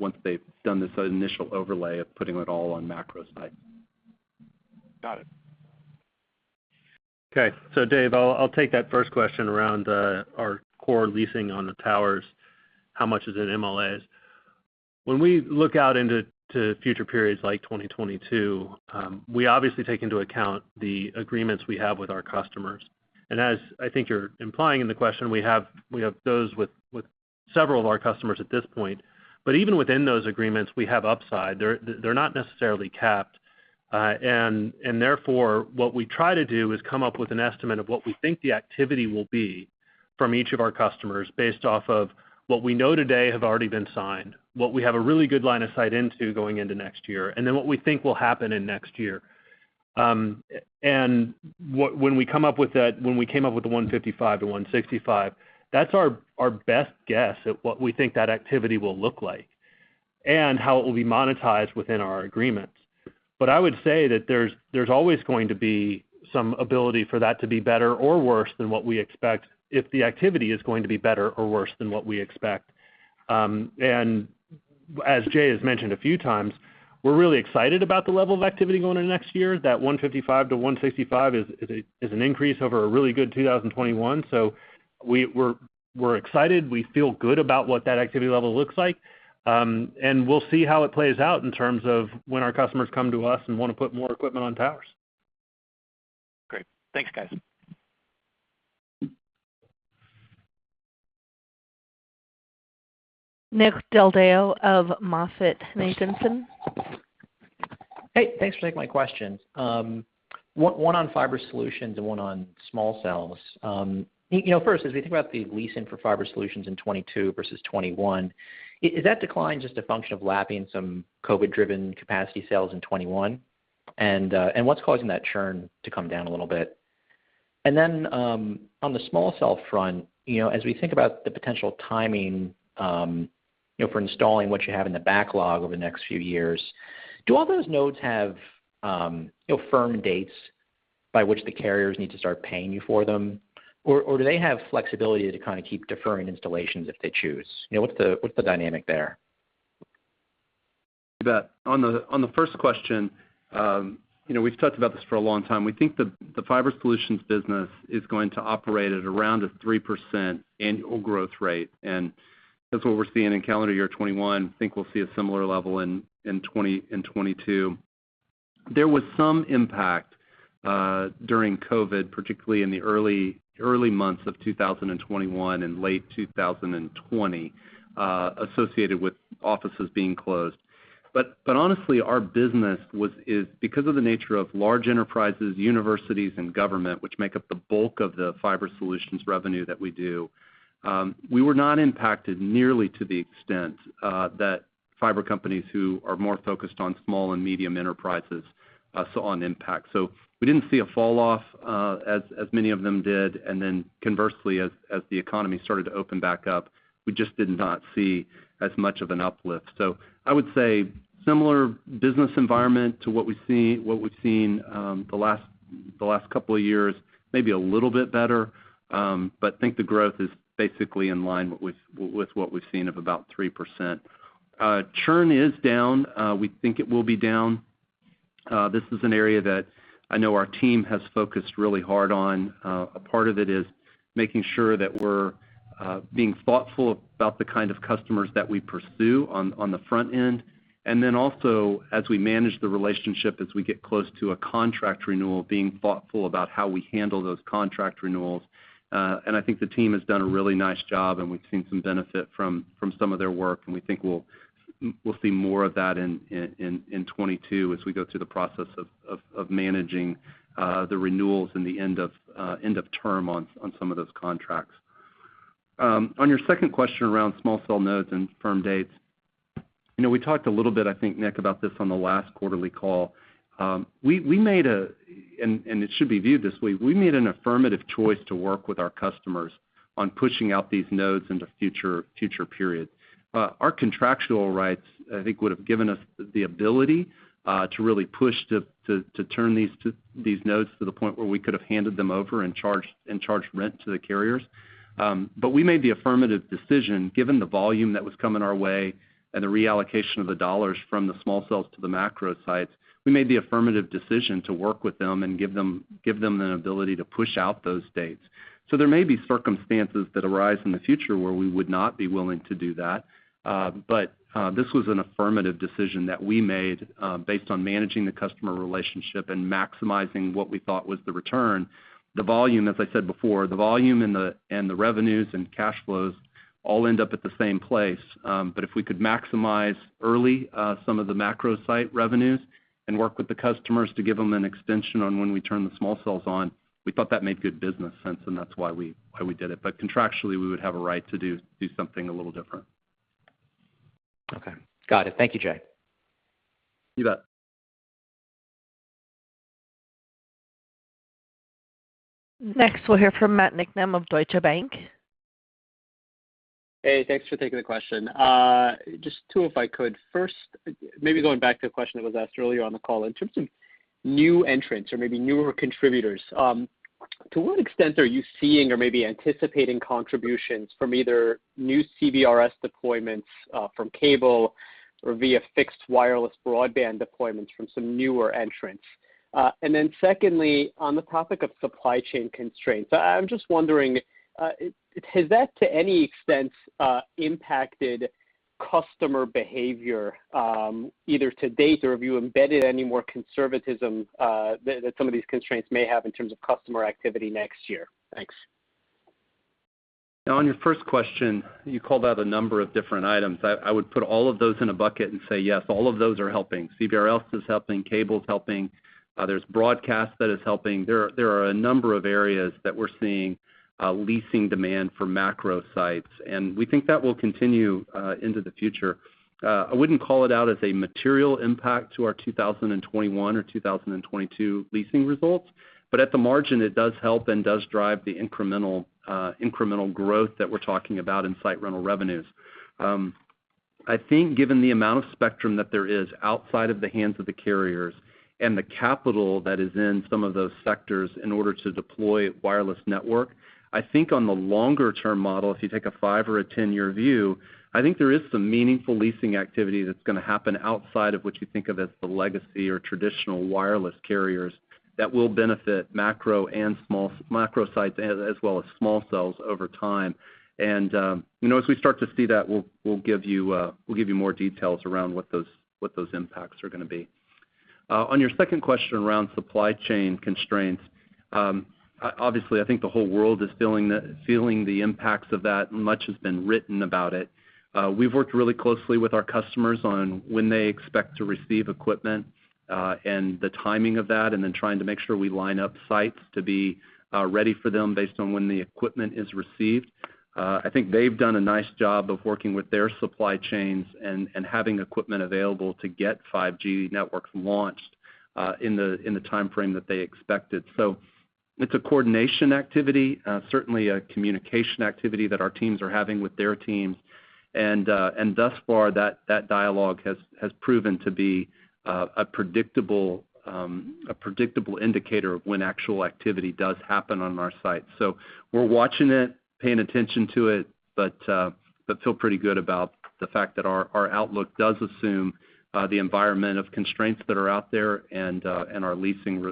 once they've done this initial overlay of putting it all on macro sites. Got it. Okay. Dave, I'll take that first question around our core leasing on the towers. How much is in MLAs? When we look out into future periods like 2022, we obviously take into account the agreements we have with our customers. As I think you're implying in the question, we have those with several of our customers at this point, but even within those agreements, we have upside. They're not necessarily capped. Therefore, what we try to do is come up with an estimate of what we think the activity will be from each of our customers based off of what we know today have already been signed, what we have a really good line of sight into going into next year, and then what we think will happen in next year. When we came up with the 155-165, that's our best guess at what we think that activity will look like and how it will be monetized within our agreements. I would say that there's always going to be some ability for that to be better or worse than what we expect if the activity is going to be better or worse than what we expect. As Jay has mentioned a few times, we're really excited about the level of activity going into next year. That 155-165 is an increase over a really good 2021. We're excited. We feel good about what that activity level looks like, and we'll see how it plays out in terms of when our customers come to us and want to put more equipment on towers. Great. Thanks, guys. Nick Del Deo of MoffettNathanson. Hey, thanks for taking my question. One on fiber solutions and one on small cells. As we think about the leasing for fiber solutions in 2022 versus 2021, is that decline just a function of lapping some COVID-driven capacity sales in 2021? What's causing that churn to come down a little bit? On the small cell front, as we think about the potential timing for installing what you have in the backlog over the next few years, do all those nodes have firm dates by which the carriers need to start paying you for them? Do they have flexibility to keep deferring installations if they choose? What's the dynamic there? On the first question, we've talked about this for a long time. We think the fiber solutions business is going to operate at around a 3% annual growth rate, and that's what we're seeing in calendar year 2021. Think we'll see a similar level in 2022. There was some impact during COVID, particularly in the early months of 2021 and late 2020, associated with offices being closed. Honestly, our business, because of the nature of large enterprises, universities, and government, which make up the bulk of the fiber solutions revenue that we do, we were not impacted nearly to the extent that fiber companies who are more focused on small and medium enterprises saw an impact. We didn't see a fall off as many of them did, conversely, as the economy started to open back up, we just did not see as much of an uplift. I would say similar business environment to what we've seen the last couple of years, maybe a little bit better. I think the growth is basically in line with what we've seen of about 3%. Churn is down. We think it will be down. This is an area that I know our team has focused really hard on. A part of it is making sure that we're being thoughtful about the kind of customers that we pursue on the front end. Also as we manage the relationship, as we get close to a contract renewal, being thoughtful about how we handle those contract renewals. I think the team has done a really nice job, and we've seen some benefit from some of their work, and we think we'll see more of that in 2022 as we go through the process of managing the renewals and the end of term on some of those contracts. On your second question around small cell nodes and firm dates. We talked a little bit, I think, Nick, about this on the last quarterly call. It should be viewed this way. We made an affirmative choice to work with our customers on pushing out these nodes into future periods. Our contractual rights, I think, would've given us the ability to really push to turn these nodes to the point where we could have handed them over and charged rent to the carriers. We made the affirmative decision, given the volume that was coming our way and the reallocation of the dollars from the small cells to the macro sites, we made the affirmative decision to work with them and give them the ability to push out those dates. There may be circumstances that arise in the future where we would not be willing to do that. This was an affirmative decision that we made based on managing the customer relationship and maximizing what we thought was the return. As I said before, the volume and the revenues and cash flows all end up at the same place. If we could maximize early some of the macro site revenues and work with the customers to give them an extension on when we turn the small cells on, we thought that made good business sense, and that's why we did it. Contractually, we would have a right to do something a little different. Okay. Got it. Thank you, Jay. You bet. Next, we'll hear from Matt Niknam of Deutsche Bank. Hey, thanks for taking the question. Just two, if I could. First, maybe going back to a question that was asked earlier on the call. In terms of new entrants or maybe newer contributors, to what extent are you seeing or maybe anticipating contributions from either new CBRS deployments from cable or via fixed wireless broadband deployments from some newer entrants? Secondly, on the topic of supply chain constraints, I'm just wondering, has that, to any extent, impacted customer behavior either to date or have you embedded any more conservatism that some of these constraints may have in terms of customer activity next year? Thanks. On your first question, you called out a number of different items. I would put all of those in a bucket and say yes, all of those are helping. CBRS is helping, cable's helping. There's broadcast that is helping. There are a number of areas that we're seeing leasing demand for macro sites, and we think that will continue into the future. I wouldn't call it out as a material impact to our 2021 or 2022 leasing results, but at the margin, it does help and does drive the incremental growth that we're talking about in site rental revenues. I think given the amount of spectrum that there is outside of the hands of the carriers and the capital that is in some of those sectors in order to deploy wireless network, I think on the longer-term model, if you take a five or a 10-year view, I think there is some meaningful leasing activity that's going to happen outside of what you think of as the legacy or traditional wireless carriers that will benefit macro sites as well as small cells over time. As we start to see that, we'll give you more details around what those impacts are going to be. On your second question around supply chain constraints. Obviously, I think the whole world is feeling the impacts of that. Much has been written about it. We've worked really closely with our customers on when they expect to receive equipment and the timing of that, and then trying to make sure we line up sites to be ready for them based on when the equipment is received. I think they've done a nice job of working with their supply chains and having equipment available to get 5G networks launched in the timeframe that they expected. It's a coordination activity, certainly a communication activity that our teams are having with their teams. Thus far, that dialogue has proven to be a predictable indicator of when actual activity does happen on our site. We're watching it, paying attention to it, but feel pretty good about the fact that our outlook does assume the environment of constraints that are out there and our leasing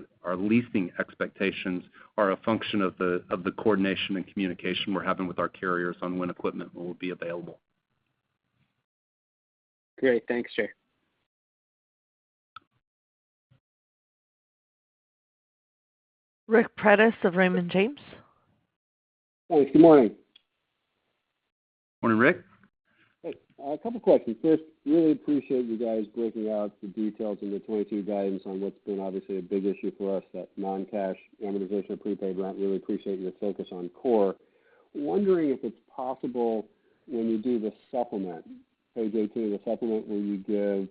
expectations are a function of the coordination and communication we're having with our carriers on when equipment will be available. Great. Thanks, Jay. Ric Prentiss of Raymond James. Thanks. Good morning. Morning, Ric. Hey. A couple questions. First, really appreciate you guys breaking out the details in the 2022 guidance on what's been obviously a big issue for us, that non-cash amortization prepaid rent. Really appreciate your focus on core. Wondering if it's possible when you do the supplement, page 18, the supplement where you give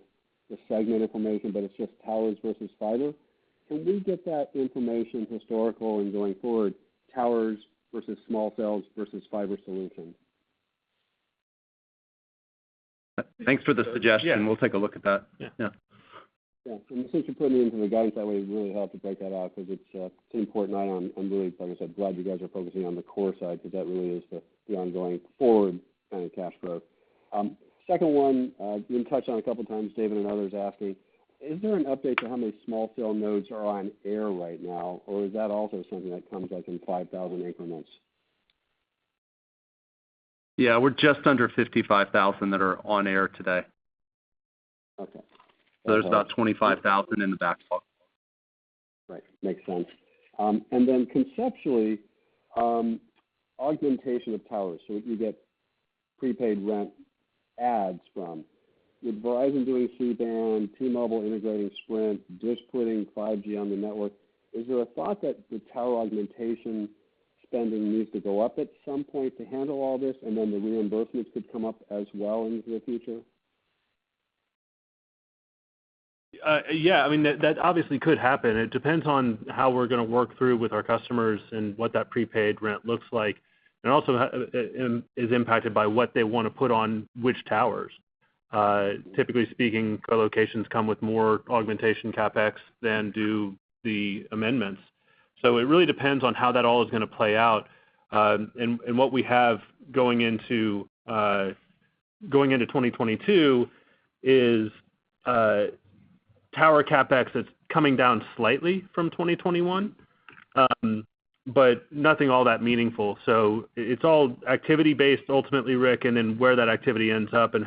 the segment information, but it's just towers versus fiber. Can we get that information historical and going forward, towers versus small cells versus fiber solutions? Thanks for the suggestion. Yeah. We'll take a look at that. Yeah. Yeah. Yeah. Since you put it into the guidance that way, it'd really help to break that out because it's an important item. I'm really, like I said, glad you guys are focusing on the core side because that really is the ongoing forward kind of cash growth. Second one, been touched on a couple times, David and others asking, is there an update to how many small cell nodes are on air right now? Is that also something that comes, like, in 5,000 increments? Yeah, we're just under 55,000 that are on air today. Okay. There's about 25,000 in the backlog. Right. Makes sense. Conceptually, augmentation of towers, so what you get prepaid rent adds from. With Verizon doing C-band, T-Mobile integrating Sprint, DISH putting 5G on the network, is there a thought that the tower augmentation spending needs to go up at some point to handle all this, and then the reimbursements could come up as well into the future? Yeah. I mean, that obviously could happen. It depends on how we're going to work through with our customers and what that prepaid rent looks like. Also, is impacted by what they want to put on which towers. Typically speaking, co-locations come with more augmentation CapEx than do the amendments. It really depends on how that all is going to play out. What we have going into 2022 is tower CapEx that's coming down slightly from 2021, but nothing all that meaningful. It's all activity-based ultimately, Ric, and then where that activity ends up and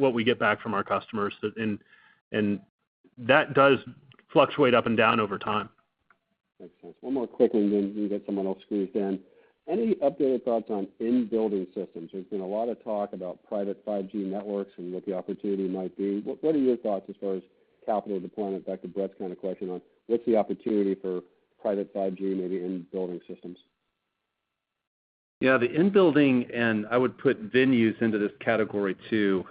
what we get back from our customers, and that does fluctuate up and down over time. Makes sense. One more quick one, then we can get someone else squeezed in. Any updated thoughts on in-building systems? There's been a lot of talk about private 5G networks and what the opportunity might be. What are your thoughts as far as capital deployment? Back to Brett's kind of question on what's the opportunity for private 5G maybe in building systems? Yeah, the in-building, and I would put venues into this category, too.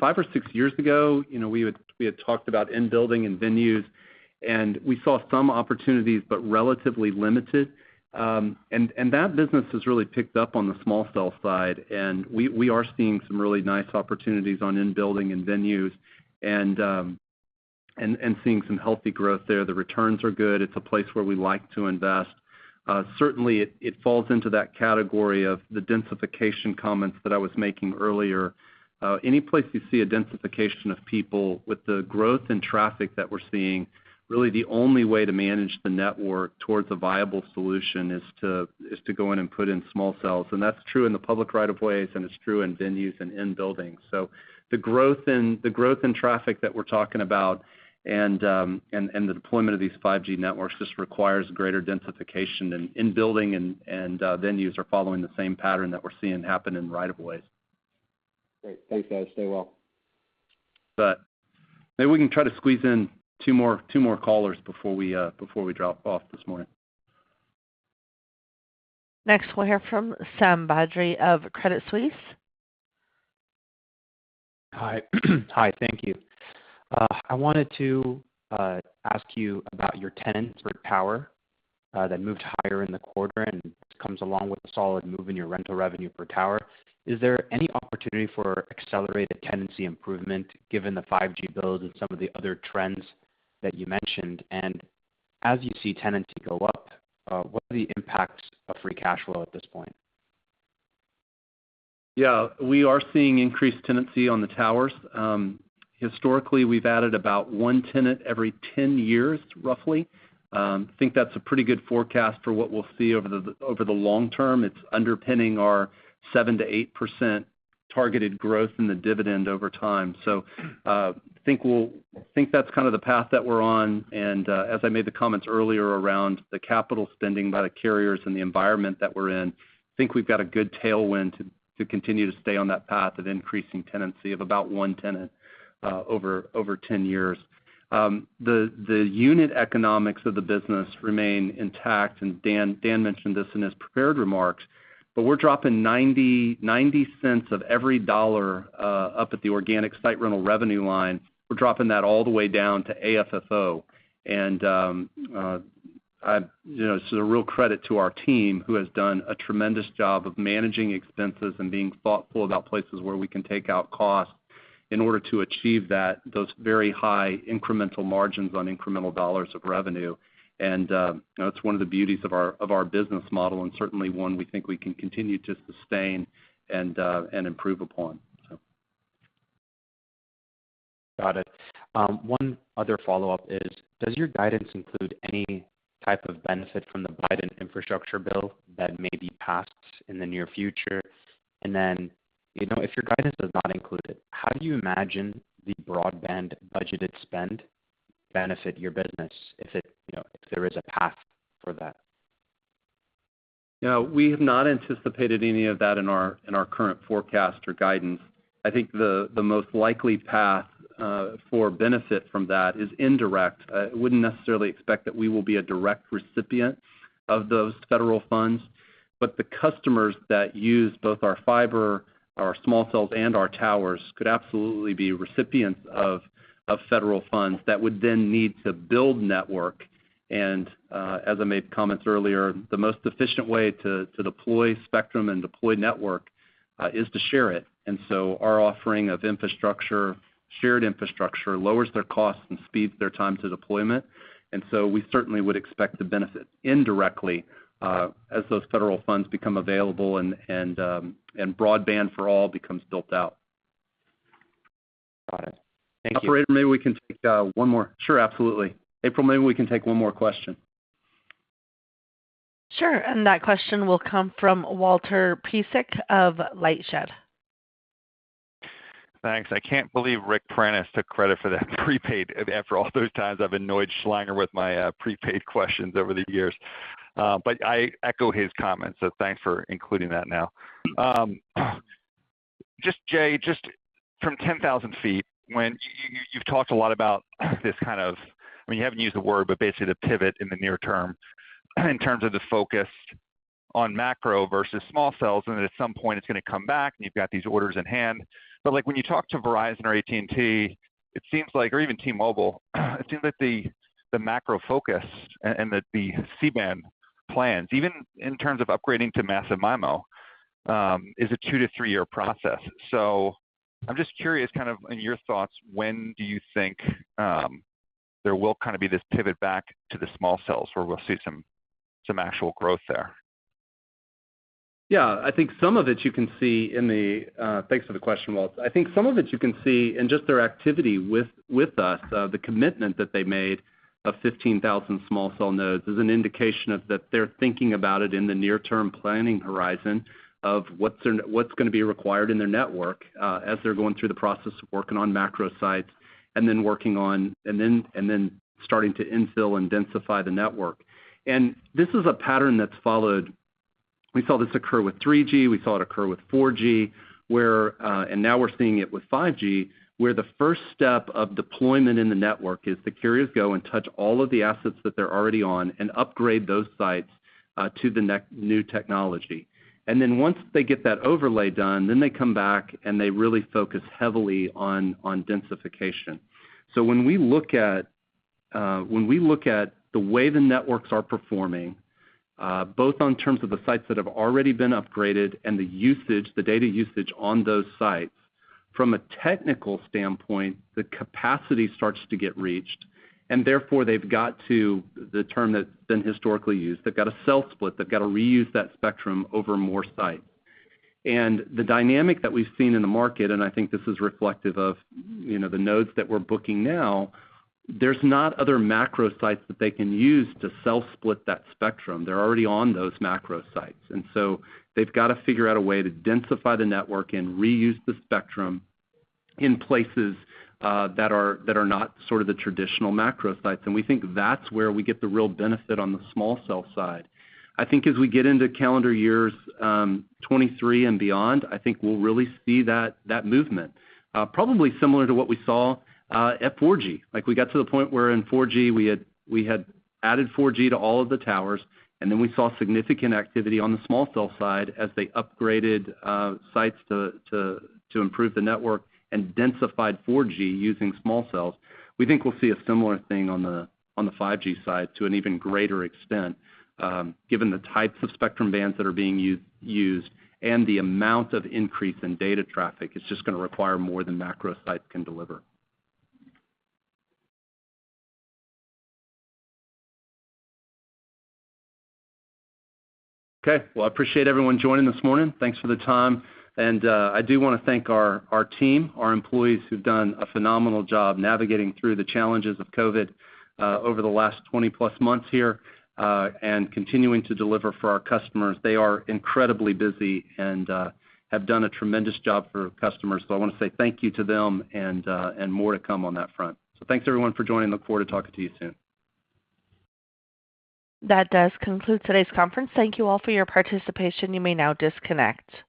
five or six years ago, we had talked about in-building and venues, and we saw some opportunities, but relatively limited. That business has really picked up on the small cell side, and we are seeing some really nice opportunities on in-building and venues and seeing some healthy growth there. The returns are good. It's a place where we like to invest. Certainly, it falls into that category of the densification comments that I was making earlier. Any place you see a densification of people with the growth in traffic that we're seeing, really the only way to manage the network towards a viable solution is to go in and put in small cells. That's true in the public right-of-ways, and it's true in venues and in buildings. The growth in traffic that we're talking about and the deployment of these 5G networks just requires greater densification, and in-building and venues are following the same pattern that we're seeing happen in right-of-ways. Great. Thanks, guys. Stay well. Maybe we can try to squeeze in two more callers before we drop off this morning. Next, we'll hear from Sami Badri of Credit Suisse. Hi. Hi, thank you. I wanted to ask you about your tenants per tower that moved higher in the quarter and comes along with a solid move in your rental revenue per tower. Is there any opportunity for accelerated tenancy improvement given the 5G builds and some of the other trends that you mentioned? As you see tenancy go up, what are the impacts of free cash flow at this point? Yeah. We are seeing increased tenancy on the towers. Historically, we've added about one tenant every 10 years, roughly. Think that's a pretty good forecast for what we'll see over the long term. It's underpinning our 7%-8% targeted growth in the dividend over time. Think that's kind of the path that we're on, and as I made the comments earlier around the capital spending by the carriers and the environment that we're in, think we've got a good tailwind to continue to stay on that path of increasing tenancy of about one tenant over 10 years. The unit economics of the business remain intact, and Dan mentioned this in his prepared remarks, but we're dropping $0.90 of every $1 up at the organic site rental revenue line. We're dropping that all the way down to AFFO, and this is a real credit to our team, who has done a tremendous job of managing expenses and being thoughtful about places where we can take out costs in order to achieve those very high incremental margins on incremental dollars of revenue. That's one of the beauties of our business model and certainly one we think we can continue to sustain and improve upon. Got it. One other follow-up is, does your guidance include any type of benefit from the Biden infrastructure bill that may be passed in the near future? If your guidance does not include it, how do you imagine the broadband budgeted spend benefit your business if there is a path for that? No, we have not anticipated any of that in our current forecast or guidance. I think the most likely path for benefit from that is indirect. I wouldn't necessarily expect that we will be a direct recipient of those federal funds, but the customers that use both our fiber, our small cells, and our towers could absolutely be recipients of federal funds that would then need to build network. As I made comments earlier, the most efficient way to deploy spectrum and deploy network, is to share it. Our offering of shared infrastructure lowers their costs and speeds their time to deployment. We certainly would expect to benefit indirectly, as those federal funds become available and broadband for all becomes built out. Got it. Thank you. Operator, maybe we can take one more. Sure, absolutely. April, maybe we can take one more question. Sure. That question will come from Walter Piecyk of LightShed. Thanks. I can't believe Ric Prentiss took credit for that prepaid after all those times I've annoyed Schlanger with my prepaid questions over the years. I echo his comments, so thanks for including that now. Jay, just from 10,000 ft, you've talked a lot about this kind of, you haven't used the word, but basically the pivot in the near term in terms of the focus on macro versus small cells, and then at some point it's going to come back and you've got these orders in hand. When you talk to Verizon or AT&T, or even T-Mobile, it seems that the macro focus and that the C-band plans, even in terms of upgrading to massive MIMO, is a two to three-year process. I'm just curious, in your thoughts, when do you think there will be this pivot back to the small cells where we'll see some actual growth there? Yeah, thanks for the question, Walt. I think some of it you can see in just their activity with us, the commitment that they made of 15,000 small cell nodes is an indication that they're thinking about it in the near-term planning horizon of what's going to be required in their network, as they're going through the process of working on macro sites and then starting to infill and densify the network. This is a pattern that's followed. We saw this occur with 3G, we saw it occur with 4G, and now we're seeing it with 5G, where the first step of deployment in the network is the carriers go and touch all of the assets that they're already on and upgrade those sites to the new technology. Once they get that overlay done, then they come back, and they really focus heavily on densification. When we look at the way the networks are performing, both on terms of the sites that have already been upgraded and the data usage on those sites, from a technical standpoint, the capacity starts to get reached, and therefore they've got to, the term that's been historically used, they've got to cell split. They've got to reuse that spectrum over more sites. The dynamic that we've seen in the market, and I think this is reflective of the nodes that we're booking now, there's not other macro sites that they can use to cell split that spectrum. They're already on those macro sites. They've got to figure out a way to densify the network and reuse the spectrum in places that are not the traditional macro sites. We think that's where we get the real benefit on the small cell side. I think as we get into calendar years 2023 and beyond, I think we'll really see that movement. Probably similar to what we saw at 4G. We got to the point where in 4G, we had added 4G to all of the towers, and then we saw significant activity on the small cell side as they upgraded sites to improve the network and densified 4G using small cells. We think we'll see a similar thing on the 5G side to an even greater extent, given the types of spectrum bands that are being used and the amount of increase in data traffic, it's just going to require more than macro sites can deliver. Okay. Well, I appreciate everyone joining this morning. Thanks for the time. I do want to thank our team, our employees, who've done a phenomenal job navigating through the challenges of COVID, over the last 20+ months here, and continuing to deliver for our customers. They are incredibly busy and have done a tremendous job for customers. I want to say thank you to them and more to come on that front. Thanks everyone for joining. Look forward to talking to you soon. That does conclude today's conference. Thank you all for your participation. You may now disconnect.